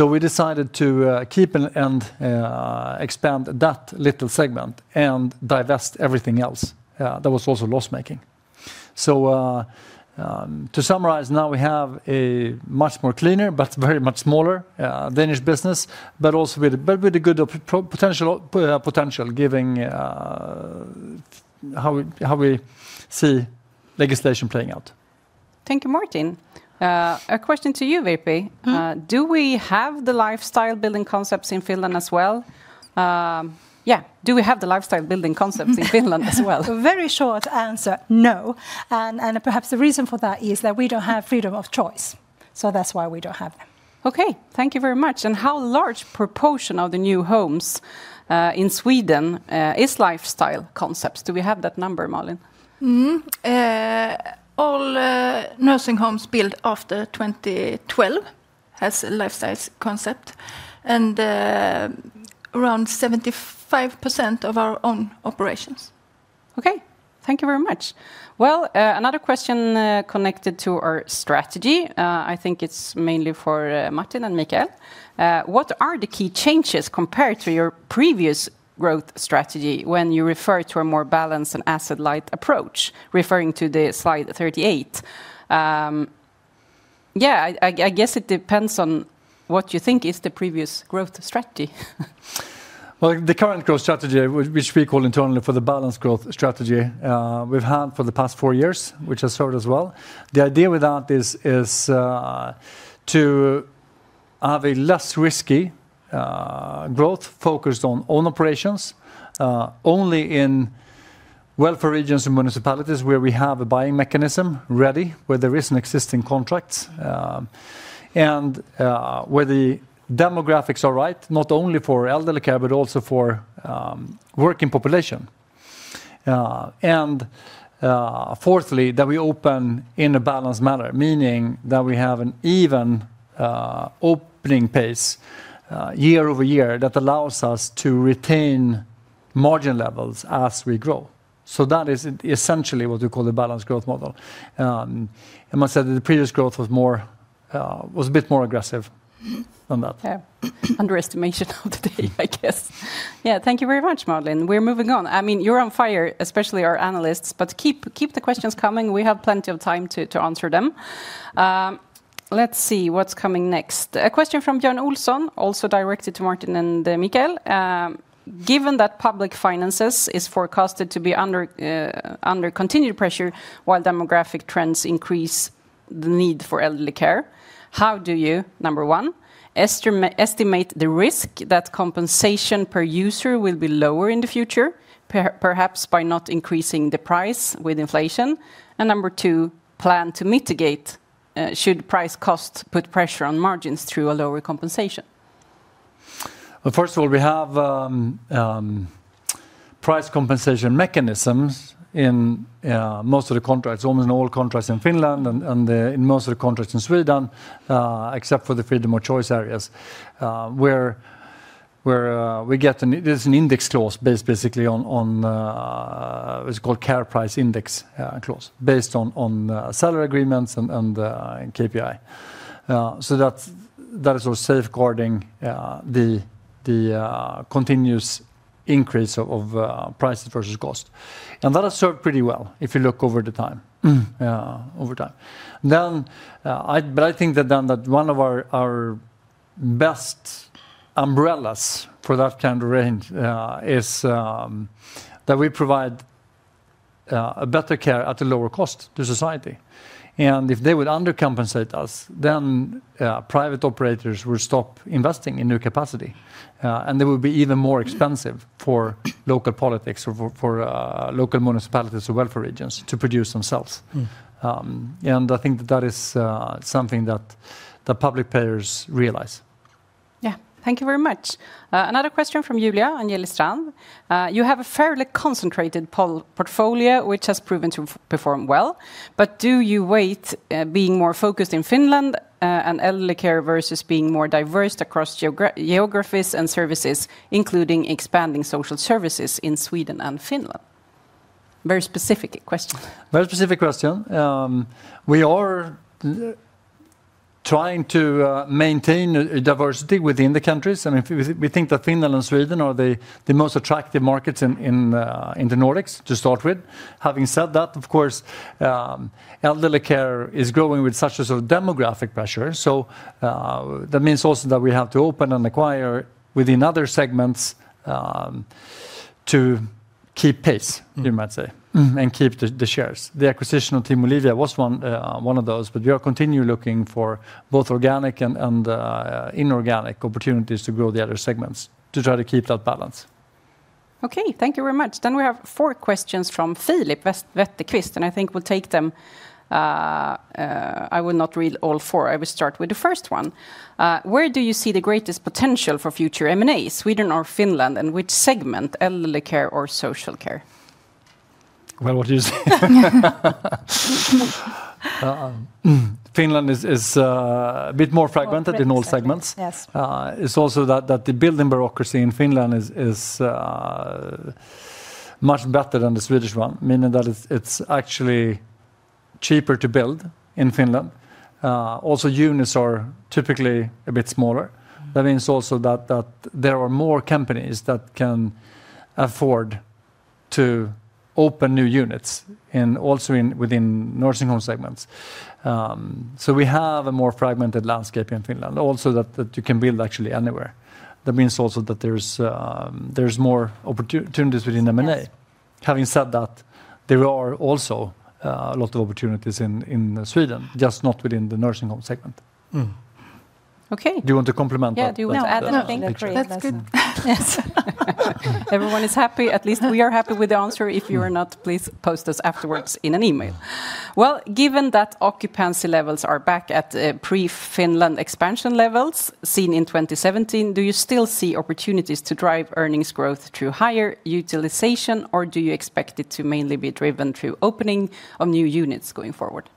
We decided to keep and expand that little segment and divest everything else that was also loss-making. To summarize, now we have a much more cleaner but very much smaller Danish business, but also with a good opportunity potential giving how we see legislation playing out. Thank you, Martin. A question to you, Virpi. Mm-hmm. Do we have the lifestyle building concepts in Finland as well? Very short answer, no. Perhaps the reason for that is that we don't have freedom of choice, so that's why we don't have them. Okay. Thank you very much. How large proportion of the new homes in Sweden is lifestyle concepts? Do we have that number, Malin? All nursing homes built after 2012 has a lifestyle concept, and around 75% of our own operations. Okay. Thank you very much. Well, another question connected to our strategy. I think it's mainly for Martin Tivéus and Mikael Malmgren. What are the key changes compared to your previous growth strategy when you refer to a more balanced and asset-light approach, referring to the slide 38? Yeah, I guess it depends on what you think is the previous growth strategy. Well, the current growth strategy, which we call internally as the balanced growth strategy, we've had for the past four years, which has served us well. The idea with that is to have a less risky growth focused on own operations only in welfare regions and municipalities where we have a bidding mechanism ready, where there is an existing contracts, and where the demographics are right, not only for elderly care, but also for working population. Fourthly, that we open in a balanced manner, meaning that we have an even opening pace year-over-year that allows us to retain margin levels as we grow. That is essentially what we call the balanced growth model. I said that the previous growth was a bit more aggressive than that. Yeah. Underestimation of the day, I guess. Yeah. Thank you very much, Malin. We're moving on. I mean, you're on fire, especially our analysts, but keep the questions coming. We have plenty of time to answer them. Let's see what's coming next. A question from Johan Olsson, also directed to Martin and Mikael. Given that public finances is forecasted to be under continued pressure while demographic trends increase the need for elderly care, how do you, number one, estimate the risk that compensation per user will be lower in the future, perhaps by not increasing the price with inflation? And number two, plan to mitigate should price costs put pressure on margins through a lower compensation? Well, first of all, we have price compensation mechanisms in most of the contracts, almost in all contracts in Finland and in most of the contracts in Sweden, except for the freedom of choice areas, where there's an index clause based basically on, it's called care price index, clause based on salary agreements and KPI. So that is sort of safeguarding the continuous increase of prices versus cost. That has served pretty well if you look over time. I think that one of our best umbrellas for that kind of range is that we provide a better care at a lower cost to society. If they would undercompensate us, then private operators will stop investing in new capacity. They will be even more expensive for local politics or local municipalities or welfare agents to produce themselves. I think that is something that the public payers realize. Thank you very much. Another question from Julia Angeli Strand. You have a fairly concentrated portfolio which has proven to perform well, but do you weigh being more focused in Finland and elderly care versus being more diverse across geographies and services, including expanding social services in Sweden and Finland? Very specific question. Very specific question. We are trying to maintain a diversity within the countries, and if we think that Finland and Sweden are the most attractive markets in the Nordics to start with. Having said that, of course, elderly care is growing with such a sort of demographic pressure, so that means also that we have to open and acquire within other segments to keep pace, you might say. Mm. And keep the shares. The acquisition of Team Olivia was one of those, but we are continuing looking for both organic and inorganic opportunities to grow the other segments to try to keep that balance. Okay. Thank you very much. We have four questions from Filip Wetterqvist, and I think we'll take them. I will not read all four. I will start with the first one. Where do you see the greatest potential for future M&As, Sweden or Finland? And which segment, elderly care or social care? Well, what do you see? Finland is a bit more fragmented in all segments. More fragmented, yes. It's also that the building bureaucracy in Finland is much better than the Swedish one, meaning that it's actually cheaper to build in Finland. Units are typically a bit smaller. That means also that there are more companies that can afford to open new units also in within nursing home segments. We have a more fragmented landscape in Finland. Also, that you can build actually anywhere. That means also that there's more opportunities within M&A. Yes. Having said that, there are also a lot of opportunities in Sweden, just not within the nursing home segment. Okay. Do you want to complement that? Yeah. Do you want to add? No. I think that's great. No. That's good. Everyone is happy. At least we are happy with the answer. If you are not, please post us afterwards in an email. Well, given that occupancy levels are back at pre-Finland expansion levels seen in 2017, do you still see opportunities to drive earnings growth through higher utilization or do you expect it to mainly be driven through opening of new units going forward?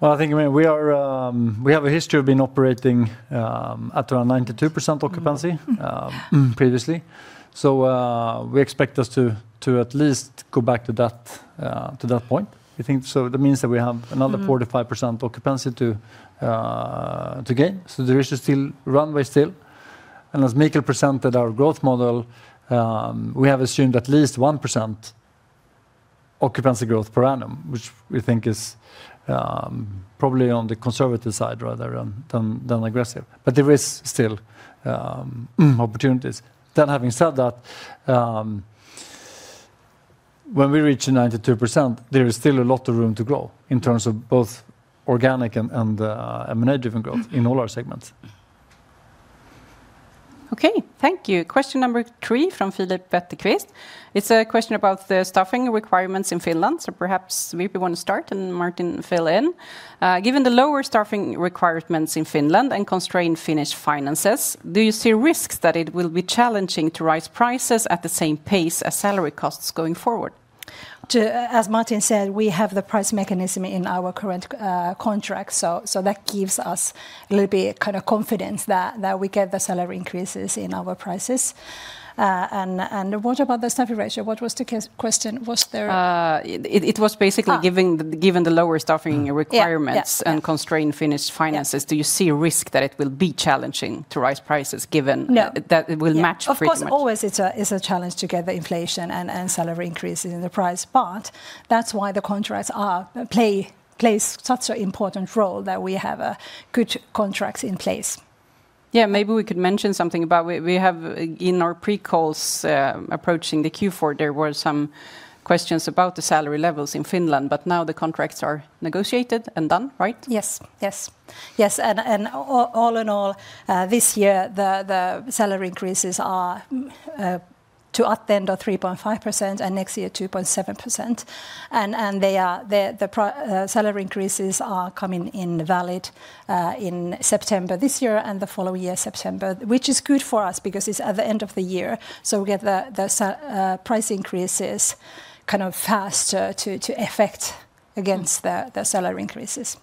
Well, I think, I mean, we have a history of been operating at around 92% occupancy previously, so we expect us to at least go back to that point. We think so. That means that we have another Mm. 45% occupancy to gain. There is still runway, and as Mikael presented our growth model, we have assumed at least 1% occupancy growth per annum, which we think is probably on the conservative side rather than aggressive. There is still opportunities. That having said that, when we reach 92%, there is still a lot of room to grow in terms of both organic and M&A-driven growth in all our segments. Thank you. Question number three from Filip Wetterqvist. It's a question about the staffing requirements in Finland, so perhaps Miia want to start and Martin fill in. Given the lower staffing requirements in Finland and constrained Finnish finances, do you see risks that it will be challenging to raise prices at the same pace as salary costs going forward? As Martin Tivéus said, we have the price mechanism in our current contract, so that gives us a little bit kind of confidence that we get the salary increases in our prices. What about the staffing ratio? What was the question? Was there It was basically giving the. Ah. Given the lower staffing requirements. Yeah. Yeah Constrained Finnish finances. Yeah. Do you see a risk that it will be challenging to raise prices given? No. That it will match pretty much? Yeah. Of course, always it's a challenge to get the inflation and salary increases in the price, but that's why the contracts play such an important role that we have a good contracts in place. Yeah. Maybe we could mention something about we have in our pre-calls approaching the Q4, there were some questions about the salary levels in Finland, but now the contracts are negotiated and done, right? Yes, all in all, this year the salary increases are 3.5% and next year 2.7%. The salary increases are coming into effect in September this year and the following year September, which is good for us because it's at the end of the year, so we get the price increases kind of faster to offset against the salary increases.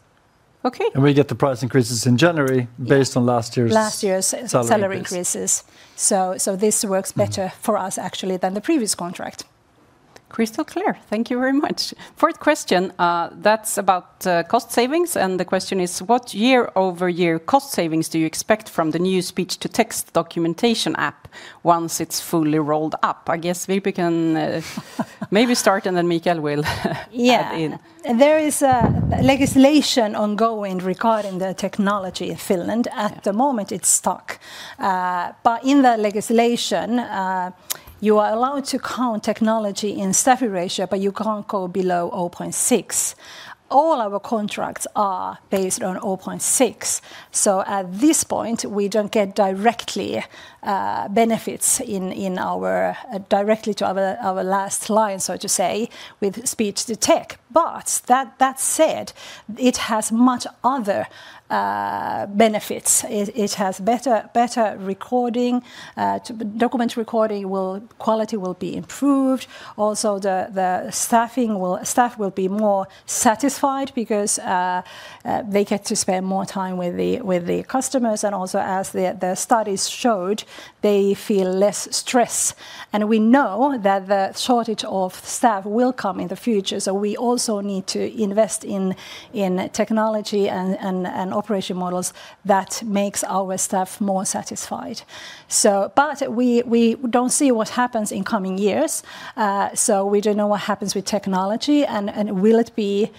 Okay. We get the price increases in January. Yeah. Based on last year's. Last year's. Salary increases. Salary increases. This works better. Mm. For us actually than the previous contract. Crystal clear. Thank you very much. Fourth question, that's about cost savings, and the question is. What year-over-year cost savings do you expect from the new speech-to-text documentation app once it's fully rolled out? I guess Virpi Holmqvist maybe start and then Mikael Malmgren will add in. Yeah. There is a legislation ongoing regarding the technology in Finland. Yeah. At the moment, it's stuck. In the legislation, you are allowed to count technology in staff ratio, but you can't go below 0.6. All our contracts are based on 0.6, so at this point we don't get direct benefits directly to our bottom line, so to say, with speech-to-text. That said, it has many other benefits. It has better recording to document, recording quality will be improved. Also, the staff will be more satisfied because they get to spend more time with the customers, and also as the studies showed, they feel less stress. We know that the shortage of staff will come in the future, so we also need to invest in technology and operation models that makes our staff more satisfied. We don't see what happens in coming years, so we don't know what happens with technology and will it be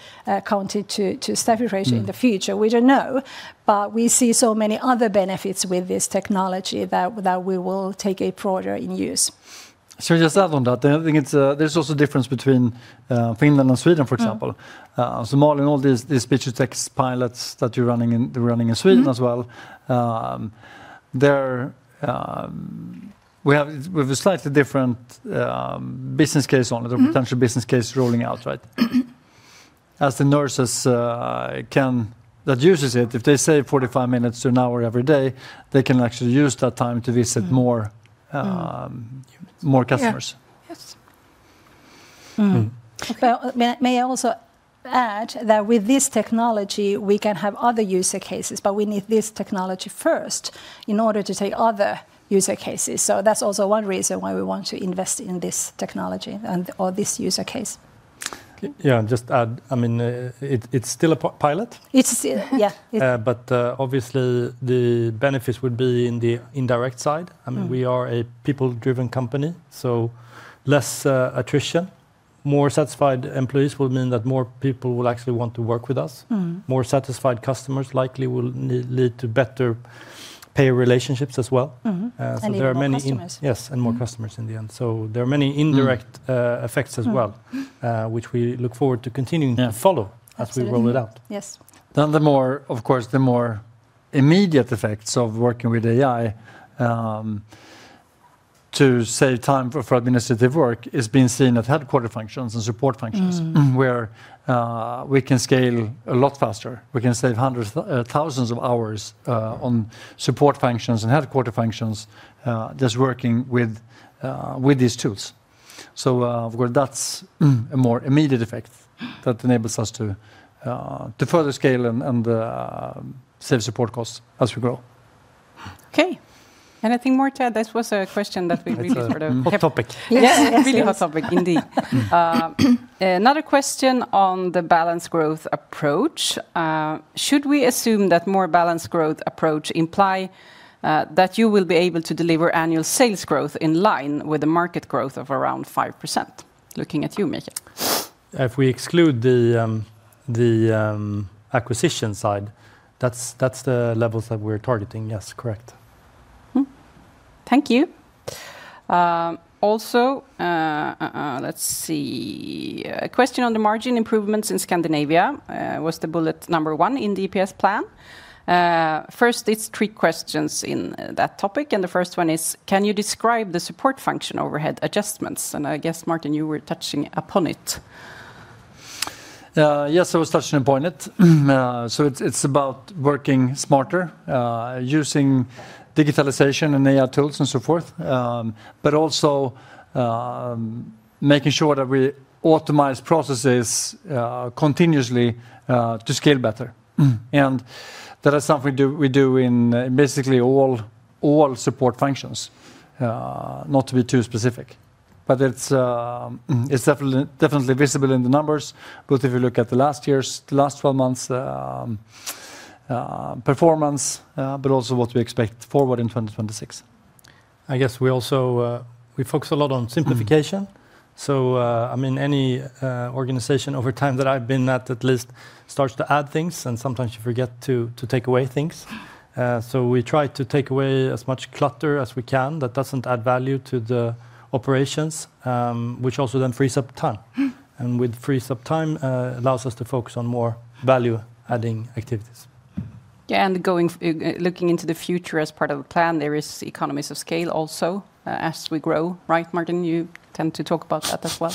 counted to staff ratio in the future? Mm. We don't know, but we see so many other benefits with this technology that we will take a broader in use. Should I just add on that? I think there's also difference between Finland and Sweden, for example. Mm. Malin, all these speech-to-text pilots that you're running in, they're running in Sweden. Mm-hmm. We have a slightly different business case on it. Mm.... Or potential business case rolling out, right? As the nurses can that uses it, if they save 45 minutes to 1 hour every day, they can actually use that time to visit more. Mm. Um- Humans More customers. Yeah. Yes. Mm. Mm. Well, may I also add that with this technology we can have other use cases, but we need this technology first in order to take other use cases, so that's also one reason why we want to invest in this technology and/or this use case. Okay. Yeah, just add, I mean, it's still a pilot. It's yeah. Obviously the benefits would be in the indirect side. Mm. I mean, we are a people-driven company, so less attrition. More satisfied employees will mean that more people will actually want to work with us. Mm-hmm. More satisfied customers likely will lead to better pay relationships as well. Mm-hmm. There are many in- Even more customers. Yes, more customers in the end. There are many indirect Mm. Effects as well. Mm. Which we look forward to continuing to follow- Yeah. Absolutely. As we roll it out. Yes. The more, of course, the more immediate effects of working with AI to save time for administrative work is being seen at headquarters functions and support functions. Mm. Mm.... Where we can scale a lot faster. We can save hundreds, thousands of hours on support functions and headquarter functions just working with these tools. Of course, that's a more immediate effect that enables us to further scale and save support costs as we grow. Okay. Anything more to add? This was a question that we really sort of. It's a hot topic. Yes. Yeah. Yes. Really hot topic, indeed. Another question on the balanced growth approach. Should we assume that more balanced growth approach imply that you will be able to deliver annual sales growth in line with the market growth of around 5%? Looking at you, Mikael. If we exclude the acquisition side, that's the levels that we're targeting. Yes, correct. Thank you. Also, let's see. A question on the margin improvements in Scandinavia was the bullet number one in the EPS plan. First it's three questions in that topic, and the first one is, can you describe the support function overhead adjustments? I guess, Martin, you were touching upon it. Yes, I was touching upon it. It's about working smarter, using digitalization and AI tools and so forth. Also, making sure that we optimize processes continuously to scale better. Mm. That is something we do in basically all support functions. Not to be too specific, but it's definitely visible in the numbers, both if you look at the last 12 months performance, but also what we expect forward in 2026. I guess we also, we focus a lot on simplification. Mm. I mean, any organization over time that I've been at least starts to add things and sometimes you forget to take away things. Mm. We try to take away as much clutter as we can that doesn't add value to the operations, which also then frees up time. Mm. Which frees up time, allows us to focus on more value-adding activities. Yeah, looking into the future as part of the plan, there is economies of scale also, as we grow, right, Martin? You tend to talk about that as well.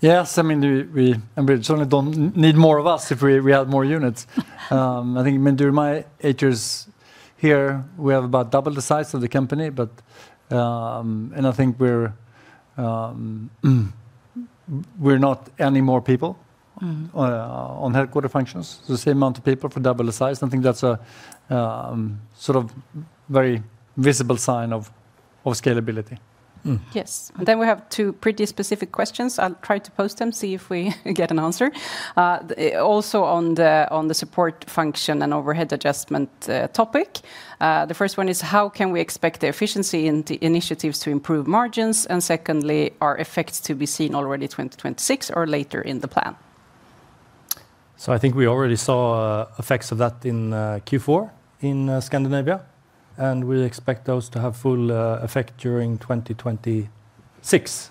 Yes. I mean, we certainly don't need more of us if we add more units. I think, I mean, during my eight years here we have about double the size of the company, but and I think we're not any more people. Mm. On headquarters functions. The same amount of people for double the size, and I think that's a sort of very visible sign of scalability. Yes. We have two pretty specific questions. I'll try to pose them, see if we get an answer. Also on the support function and overhead adjustment topic, the first one is how can we expect the efficiency in the initiatives to improve margins? Secondly, are effects to be seen already 2026 or later in the plan? I think we already saw effects of that in Q4 in Scandinavia, and we expect those to have full effect during 2026,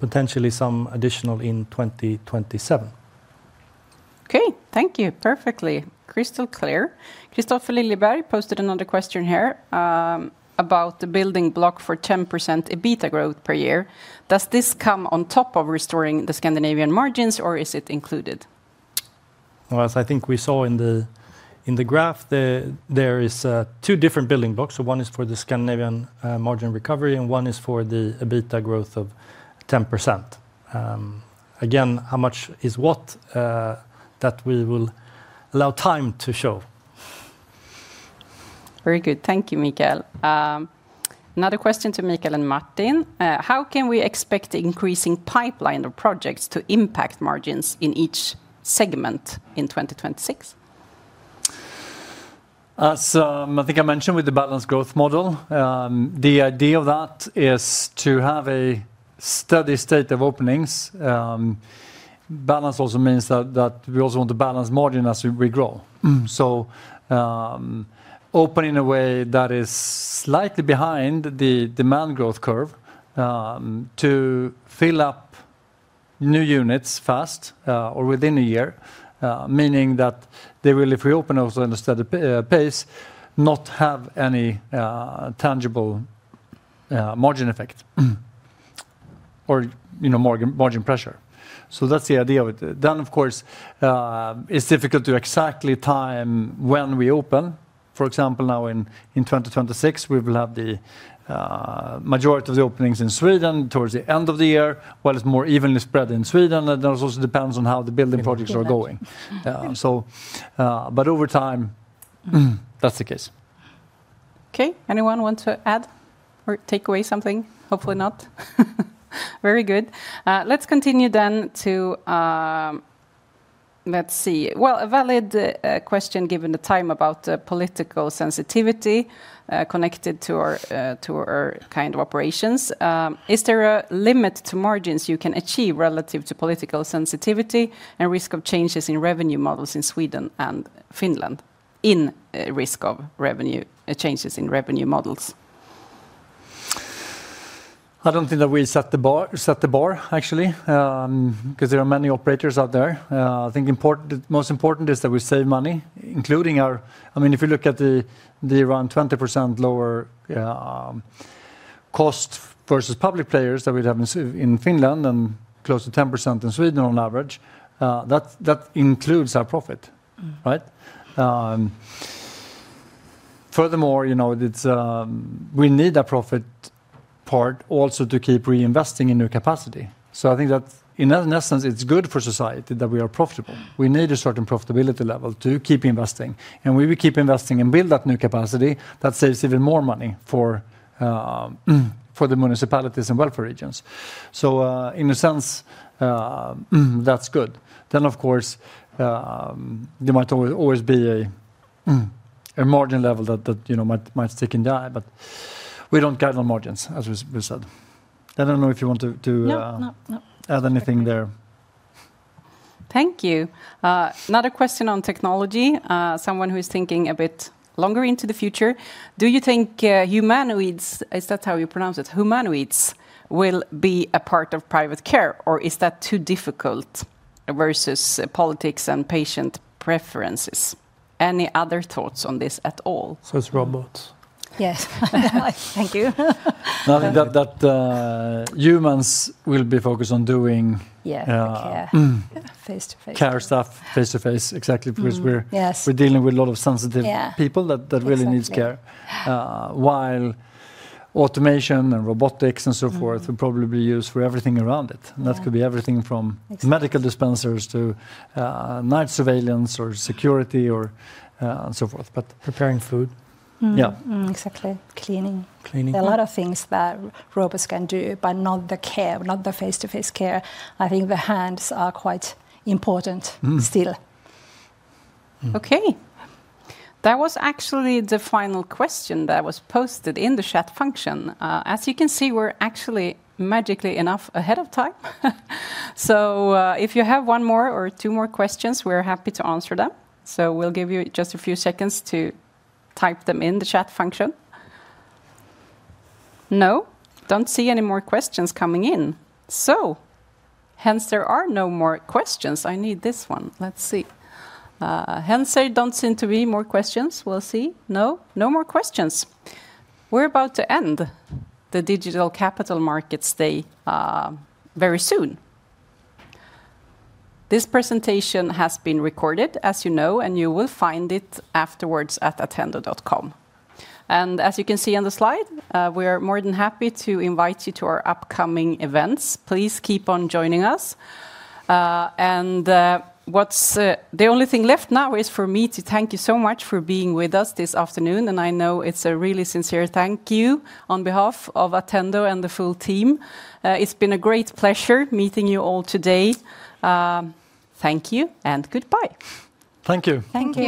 potentially some additional in 2027. Okay, thank you. Perfectly crystal clear. Kristofer Liljeberg posted another question here, about the building block for 10% EBITDA growth per year. Does this come on top of restoring the Scandinavian margins, or is it included? Well, as I think we saw in the graph, there is two different building blocks. One is for the Scandinavian margin recovery, and one is for the EBITDA growth of 10%. Again, how much is what that we will allow time to show. Very good. Thank you, Mikael. Another question to Mikael and Martin: How can we expect increasing pipeline of projects to impact margins in each segment in 2026? As I think I mentioned with the balanced growth model, the idea of that is to have a steady state of openings. Balance also means that we also want to balance margin as we grow. Opening a way that is slightly behind the demand growth curve, to fill up new units fast, or within a year, meaning that they will if we open also in a steady pace, not have any tangible margin effect or, you know, margin pressure. That's the idea with it. Of course, it's difficult to exactly time when we open. For example, now in 2026, we will have the majority of the openings in Sweden towards the end of the year. While it's more evenly spread in Sweden, it also depends on how the building projects are going. Over time, that's the case. Okay. Anyone want to add or take away something? Hopefully not. Very good. Let's continue then to. Let's see. Well, a valid question given the time about political sensitivity connected to our kind of operations. Is there a limit to margins you can achieve relative to political sensitivity and risk of changes in revenue models in Sweden and Finland? I don't think that we set the bar actually, because there are many operators out there. Most important is that we save money. I mean, if you look at our around 20% lower cost versus public players that we have in Finland and close to 10% in Sweden on average, that includes our profit, right? Furthermore, you know, we need a profit part also to keep reinvesting in new capacity. I think that in essence, it's good for society that we are profitable. We need a certain profitability level to keep investing, and we will keep investing and build that new capacity that saves even more money for the municipalities and welfare regions. In a sense, that's good. Of course, there might always be a margin level that you know might stick and die, but we don't guide on margins, as we said. I don't know if you want to. No, no. Add anything there. Thank you. Another question on technology, someone who is thinking a bit longer into the future. Do you think humanoids, is that how you pronounce it, will be a part of private care, or is that too difficult versus politics and patient preferences? Any other thoughts on this at all? It's robots. Yes. Thank you. That humans will be focused on doing. Yeah. Okay. Yeah Care stuff face to face. Exactly. Yes. Because we're dealing with a lot of sensitive. Yeah. People that really needs care. Exactly. Yeah. While automation and robotics and so forth. Mm. Will probably be used for everything around it. Yeah. That could be everything from medical dispensers to night surveillance or security or and so forth, but preparing food. Mm. Yeah. Exactly. Cleaning. Cleaning. A lot of things that robots can do, but not the care, not the face-to-face care. I think the hands are quite important still. Mm. Okay. That was actually the final question that was posted in the chat function. As you can see, we're actually magically enough ahead of time. If you have one more or two more questions, we're happy to answer them. We'll give you just a few seconds to type them in the chat function. No, don't see any more questions coming in. Hence there are no more questions. I need this one. Let's see. Hence there don't seem to be more questions. We'll see. No more questions. We're about to end the Digital Capital Markets Day very soon. This presentation has been recorded, as you know, and you will find it afterwards at attendo.com. As you can see on the slide, we are more than happy to invite you to our upcoming events. Please keep on joining us. What's the only thing left now is for me to thank you so much for being with us this afternoon, and I know it's a really sincere thank you on behalf of Attendo and the full team. It's been a great pleasure meeting you all today. Thank you and goodbye. Thank you. Thank you.